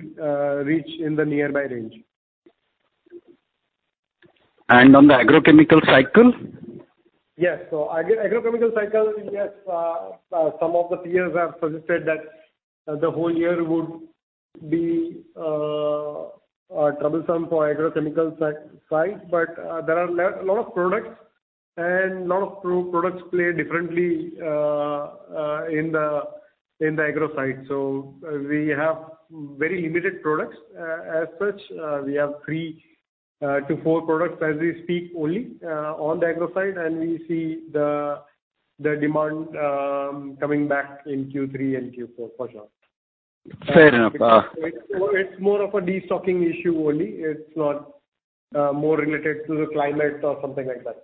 reach in the nearby range. On the agrochemical cycle? Yes. So agrochemical cycle, yes, some of the peers have suggested that the whole year would be troublesome for agrochemical side. But there are a lot of products, and a lot of products play differently in the agro side. So we have very limited products. As such, we have three to four products as we speak only on the agro side, and we see the demand coming back in Q3 and Q4 for sure. Fair enough. It's more of a destocking issue only. It's not more related to the climate or something like that.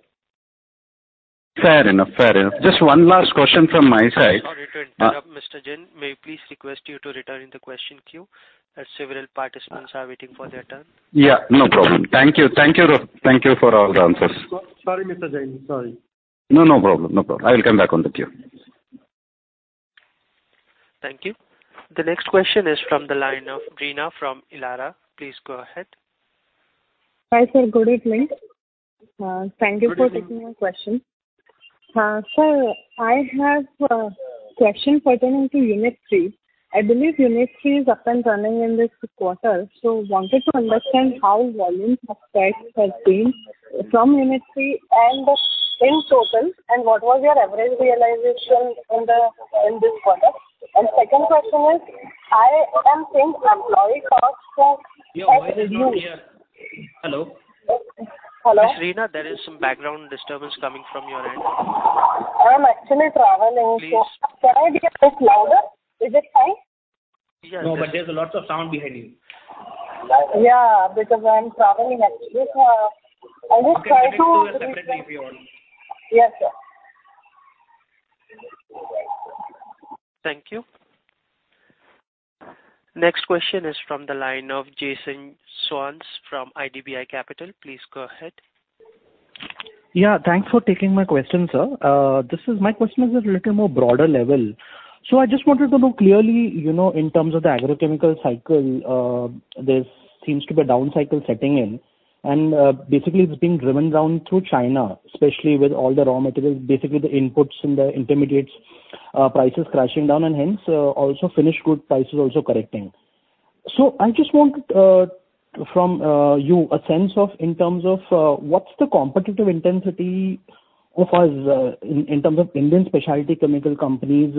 Fair enough. Fair enough. Just one last question from my side. Before we turn it off, Mr. Jain, may I please request you to return the question queue as several participants are waiting for their turn? Yeah. No problem. Thank you. Thank you. Thank you for all the answers. Sorry, Mr. Jain. Sorry. No, no problem. No problem. I will come back on the queue. Thank you. The next question is from the line of Prerna Jhunjhunwala from Elara Capital. Please go ahead. Hi, sir. Good evening. Thank you for taking my question. Sir, I have a question pertaining to Unit 3. I believe Unit 3 is up and running in this quarter, so wanted to understand how volume of price has been from Unit 3 and in total, and what was your average realization in this quarter? And second question is, I am seeing employee costs to. Ms. Prerna Jhunjhunwala, there is some background disturbance coming from your end. I am actually traveling, so can I be a bit louder? Is it fine? Yes. No, but there's a lot of sound behind you. Yeah, because I am traveling, actually. So I will try to. You can bring it to us separately if you want. Yes, sir. Thank you. Next question is from the line of Jason Soans from IDBI Capital. Please go ahead. Yeah. Thanks for taking my question, sir. My question is at a little more broader level. So I just wanted to know clearly, in terms of the agrochemical cycle, there seems to be a down cycle setting in. And basically, it's being driven down through China, especially with all the raw materials, basically the inputs and the intermediates prices crashing down, and hence also finished goods prices also correcting. So I just want from you a sense of, in terms of what's the competitive intensity in terms of Indian specialty chemical companies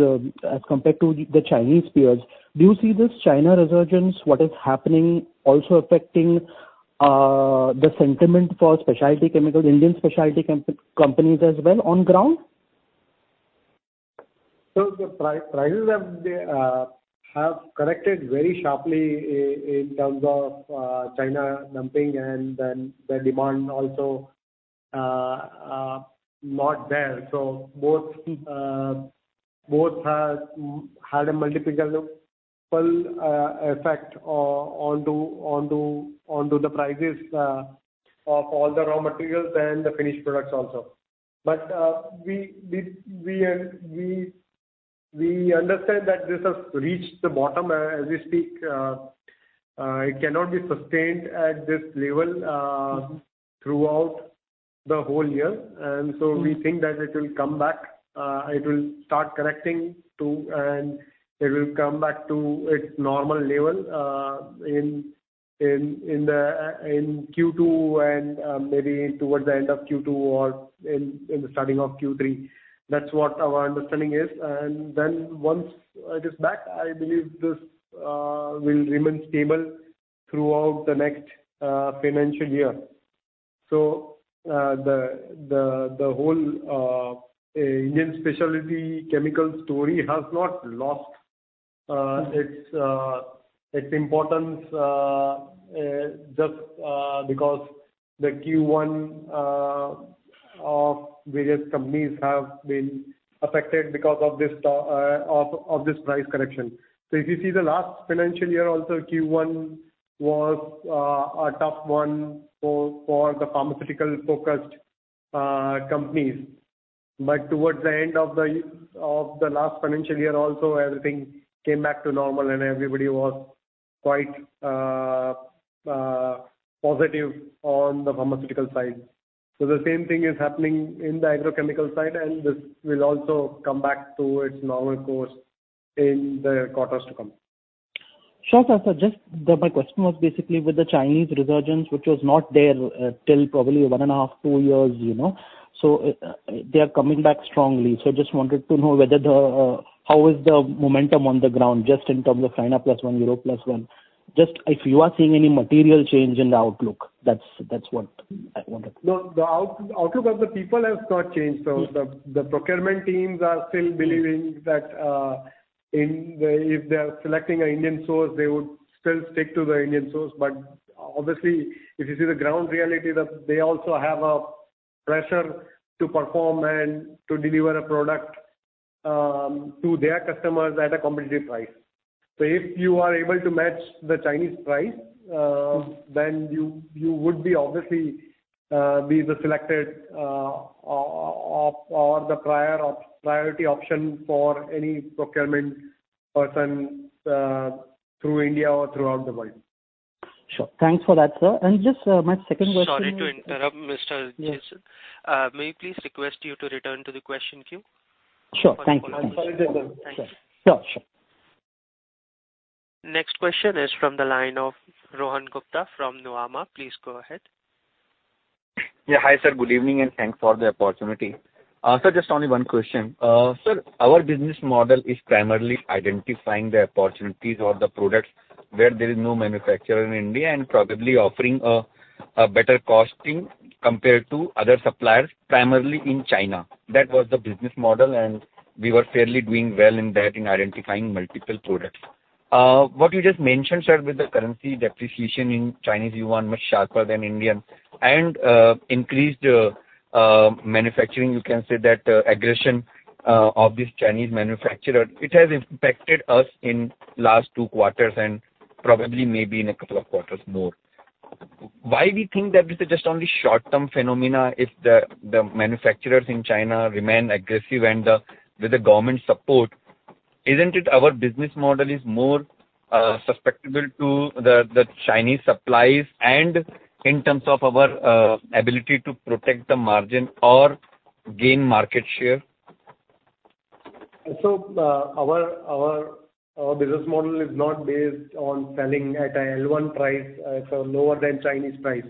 as compared to the Chinese peers? Do you see this China resurgence? What is happening also affecting the sentiment for Indian specialty companies as well on ground? So the prices have corrected very sharply in terms of China dumping, and then the demand also not there. So both had a multiple effect onto the prices of all the raw materials and the finished products also. But we understand that this has reached the bottom as we speak. It cannot be sustained at this level throughout the whole year. And so we think that it will come back. It will start correcting too, and it will come back to its normal level in Q2 and maybe towards the end of Q2 or in the starting of Q3. That's what our understanding is. And then once it is back, I believe this will remain stable throughout the next financial year. So the whole Indian specialty chemical story has not lost its importance just because the Q1 of various companies have been affected because of this price correction. So if you see the last financial year also, Q1 was a tough one for the pharmaceutical-focused companies. But towards the end of the last financial year also, everything came back to normal, and everybody was quite positive on the pharmaceutical side. So the same thing is happening in the agrochemical side, and this will also come back to its normal course in the quarters to come. Sure, sir. So my question was basically with the Chinese resurgence, which was not there till probably 1.5-2 years. So they are coming back strongly. So I just wanted to know how is the momentum on the ground just in terms of China Plus One, Europe Plus One? If you are seeing any material change in the outlook, that's what I wanted. No, the outlook of the people has not changed. So the procurement teams are still believing that if they are selecting an Indian source, they would still stick to the Indian source. But obviously, if you see the ground reality, they also have a pressure to perform and to deliver a product to their customers at a competitive price. So if you are able to match the Chinese price, then you would obviously be the selected or the priority option for any procurement person through India or throughout the world. Sure. Thanks for that, sir. And just my second question. Sorry to interrupt, Mr. Jason. May I please request you to return to the question queue? Sure. Thank you. Thank you. Next question is from the line of Rohan Gupta from Nuvama. Please go ahead. Yeah. Hi, sir. Good evening, and thanks for the opportunity. Sir, just only one question. Sir, our business model is primarily identifying the opportunities or the products where there is no manufacturer in India and probably offering a better costing compared to other suppliers, primarily in China. That was the business model, and we were fairly doing well in that in identifying multiple products. What you just mentioned, sir, with the currency depreciation in Chinese yuan much sharper than Indian and increased manufacturing, you can say that aggression of this Chinese manufacturer, it has impacted us in the last two quarters and probably maybe in a couple of quarters more. Why do we think that this is just only a short-term phenomenon if the manufacturers in China remain aggressive and with the government support? Isn't it our business model is more susceptible to the Chinese supplies and in terms of our ability to protect the margin or gain market share? So our business model is not based on selling at an L1 price. It's lower than Chinese price.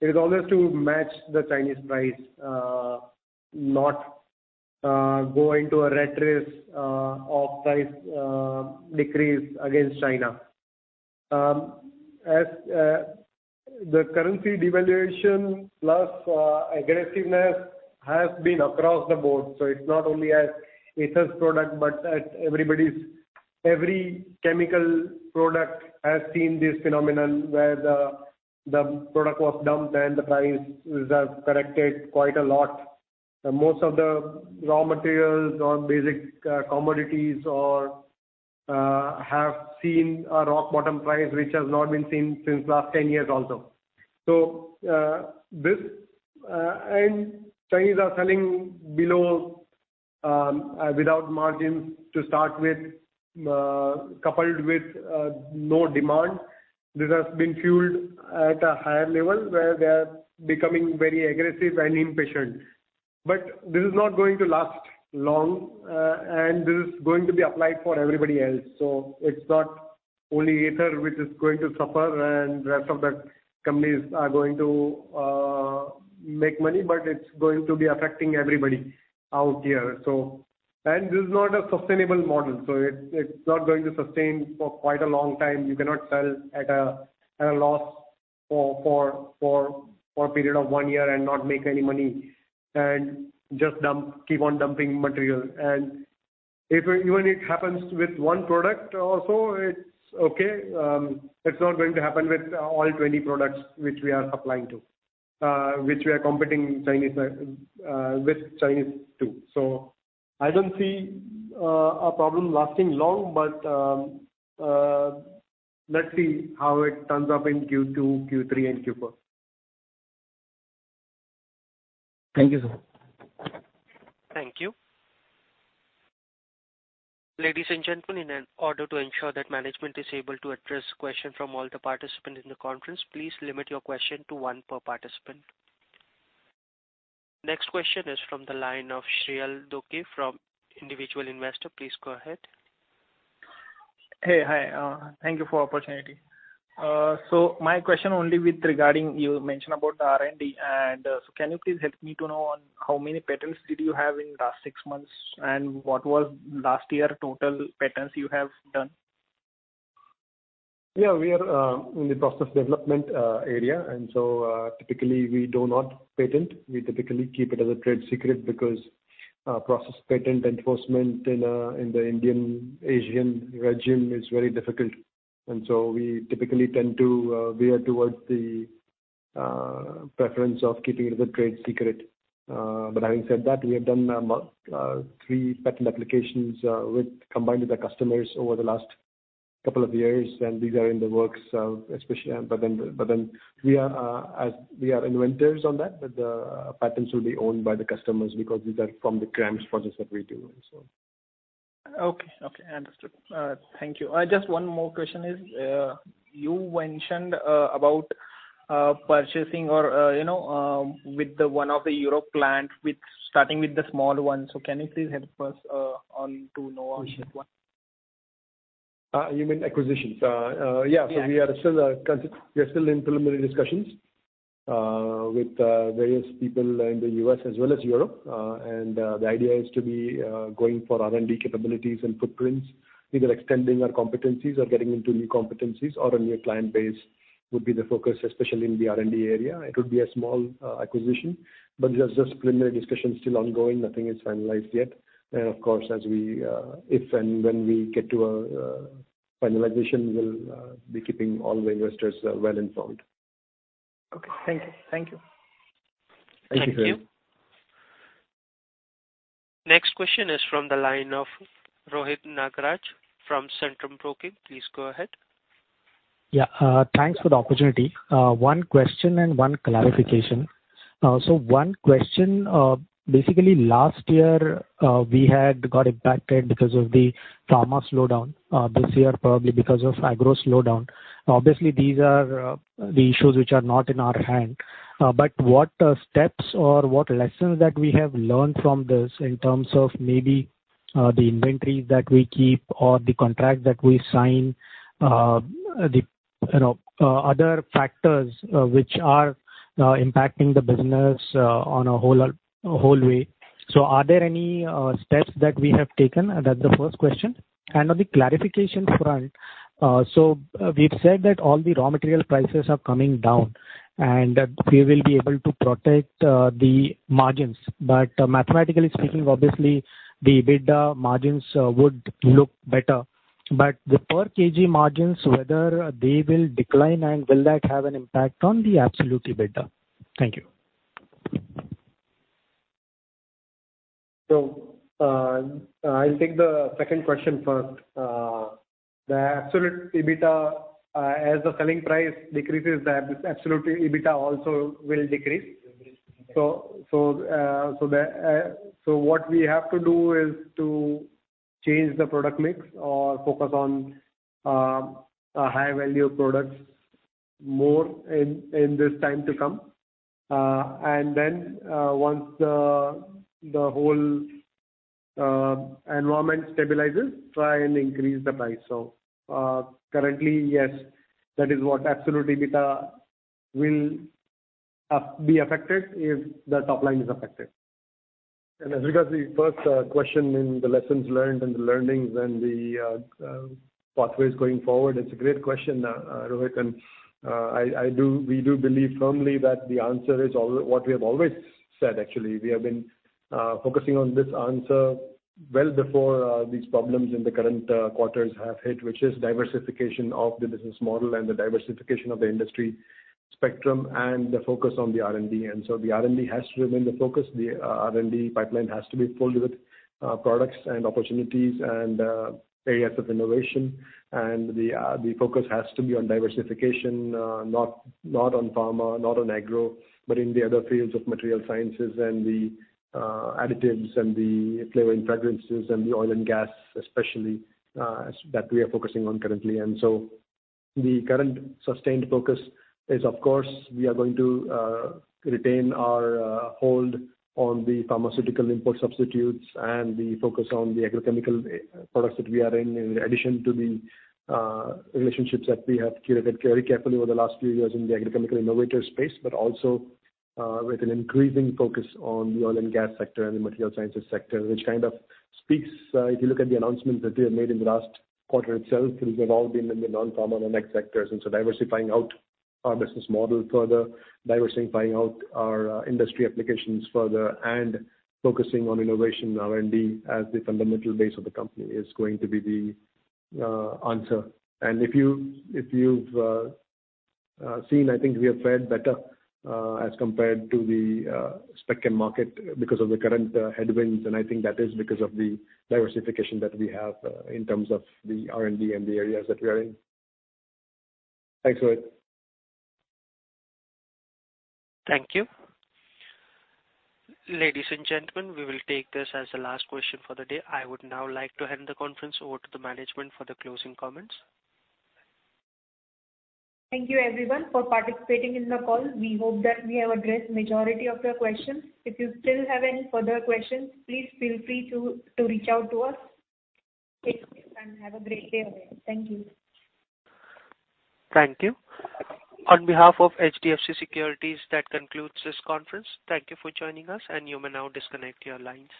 It is always to match the Chinese price, not go into a rat race of price decrease against China. The currency devaluation plus aggressiveness has been across the board. So it's not only at Aether's product, but every chemical product has seen this phenomenon where the product was dumped and the price has corrected quite a lot. Most of the raw materials or basic commodities have seen a rock bottom price, which has not been seen since the last 10 years also. And Chinese are selling without margins to start with, coupled with no demand. This has been fueled at a higher level where they are becoming very aggressive and impatient. But this is not going to last long, and this is going to be applied for everybody else. So it's not only Aether which is going to suffer, and the rest of the companies are going to make money, but it's going to be affecting everybody out here. And this is not a sustainable model. So it's not going to sustain for quite a long time. You cannot sell at a loss for a period of one year and not make any money and just keep on dumping material. And even if it happens with one product also, it's okay. It's not going to happen with all 20 products which we are supplying to, which we are competing with Chinese too. So I don't see a problem lasting long, but let's see how it turns up in Q2, Q3, and Q4. Thank you, sir. Thank you. Ladies and gentlemen, in order to ensure that management is able to address questions from all the participants in the conference, please limit your question to one per participant. Next question is from the line of Shreyansh Doshi from Individual Investor. Please go ahead. Hey. Hi. Thank you for the opportunity. So my question only with regard to you mentioned about the R&D. So can you please help me to know how many patents did you have in the last six months, and what was last year's total patents you have done? Yeah. We are in the process development area. So typically, we do not patent. We typically keep it as a trade secret because process patent enforcement in the Indian-Asian regime is very difficult. So we typically tend to veer towards the preference of keeping it as a trade secret. But having said that, we have done three patent applications combined with our customers over the last couple of years, and these are in the works. But then we are inventors on that, but the patents will be owned by the customers because these are from the CRAMS projects that we do, so. Okay. Okay. Understood. Thank you. Just one more question is. You mentioned about purchasing with one of the Europe plants, starting with the small one. So can you please help us to know which one? You mean acquisitions? Yeah. So we are still in preliminary discussions with various people in the U.S. as well as Europe. And the idea is to be going for R&D capabilities and footprints, either extending our competencies or getting into new competencies, or a new client base would be the focus, especially in the R&D area. It would be a small acquisition, but there's just preliminary discussions still ongoing. Nothing is finalized yet. And of course, if and when we get to a finalization, we'll be keeping all the investors well-informed Okay. Thank you. Thank you. Thank you, sir. Thank you. Next question is from the line of Rohit Nagraj from Centrum Broking. Please go ahead. Yeah. Thanks for the opportunity. One question and one clarification. So one question. Basically, last year, we had got impacted because of the pharma slowdown. This year, probably because of agro slowdown. Obviously, these are the issues which are not in our hand. But what steps or what lessons that we have learned from this in terms of maybe the inventories that we keep or the contracts that we sign, the other factors which are impacting the business on a whole way? So are there any steps that we have taken? That's the first question. And on the clarification front, so we've said that all the raw material prices are coming down, and we will be able to protect the margins. But mathematically speaking, obviously, the EBITDA margins would look better. But the per-kg margins, whether they will decline and will that have an impact on the absolute EBITDA? Thank you. So I'll take the second question first. The absolute EBITDA, as the selling price decreases, the absolute EBITDA also will decrease. So what we have to do is to change the product mix or focus on high-value products more in this time to come. And then once the whole environment stabilizes, try and increase the price. So currently, yes, that is what absolute EBITDA will be affected if the top line is affected. That's because the first question in the lessons learned and the learnings and the pathways going forward, it's a great question, Rohit. We do believe firmly that the answer is what we have always said, actually. We have been focusing on this answer well before these problems in the current quarters have hit, which is diversification of the business model and the diversification of the industry spectrum and the focus on the R&D. So the R&D has to remain the focus. The R&D pipeline has to be filled with products and opportunities and areas of innovation. The focus has to be on diversification, not on pharma, not on agro, but in the other fields of material sciences and the additives and the flavor and fragrances and the oil and gas, especially, that we are focusing on currently. And so the current sustained focus is, of course, we are going to retain our hold on the pharmaceutical import substitutes and the focus on the agrochemical products that we are in, in addition to the relationships that we have curated very carefully over the last few years in the agrochemical innovator space, but also with an increasing focus on the oil and gas sector and the material sciences sector, which kind of speaks if you look at the announcements that we have made in the last quarter itself, these have all been in the non-pharma and the ag sectors. Diversifying out our business model further, diversifying out our industry applications further, and focusing on innovation, R&D, as the fundamental base of the company is going to be the answer. And if you've seen, I think we are far better as compared to the specialty chemical market because of the current headwinds. And I think that is because of the diversification that we have in terms of the R&D and the areas that we are in. Thanks, Rohit. Thank you. Ladies and gentlemen, we will take this as the last question for the day. I would now like to hand the conference over to the management for the closing comments. Thank you, everyone, for participating in the call. We hope that we have addressed the majority of your questions. If you still have any further questions, please feel free to reach out to us. Take care and have a great day ahead. Thank you. Thank you. On behalf of HDFC Securities, that concludes this conference. Thank you for joining us, and you may now disconnect your lines.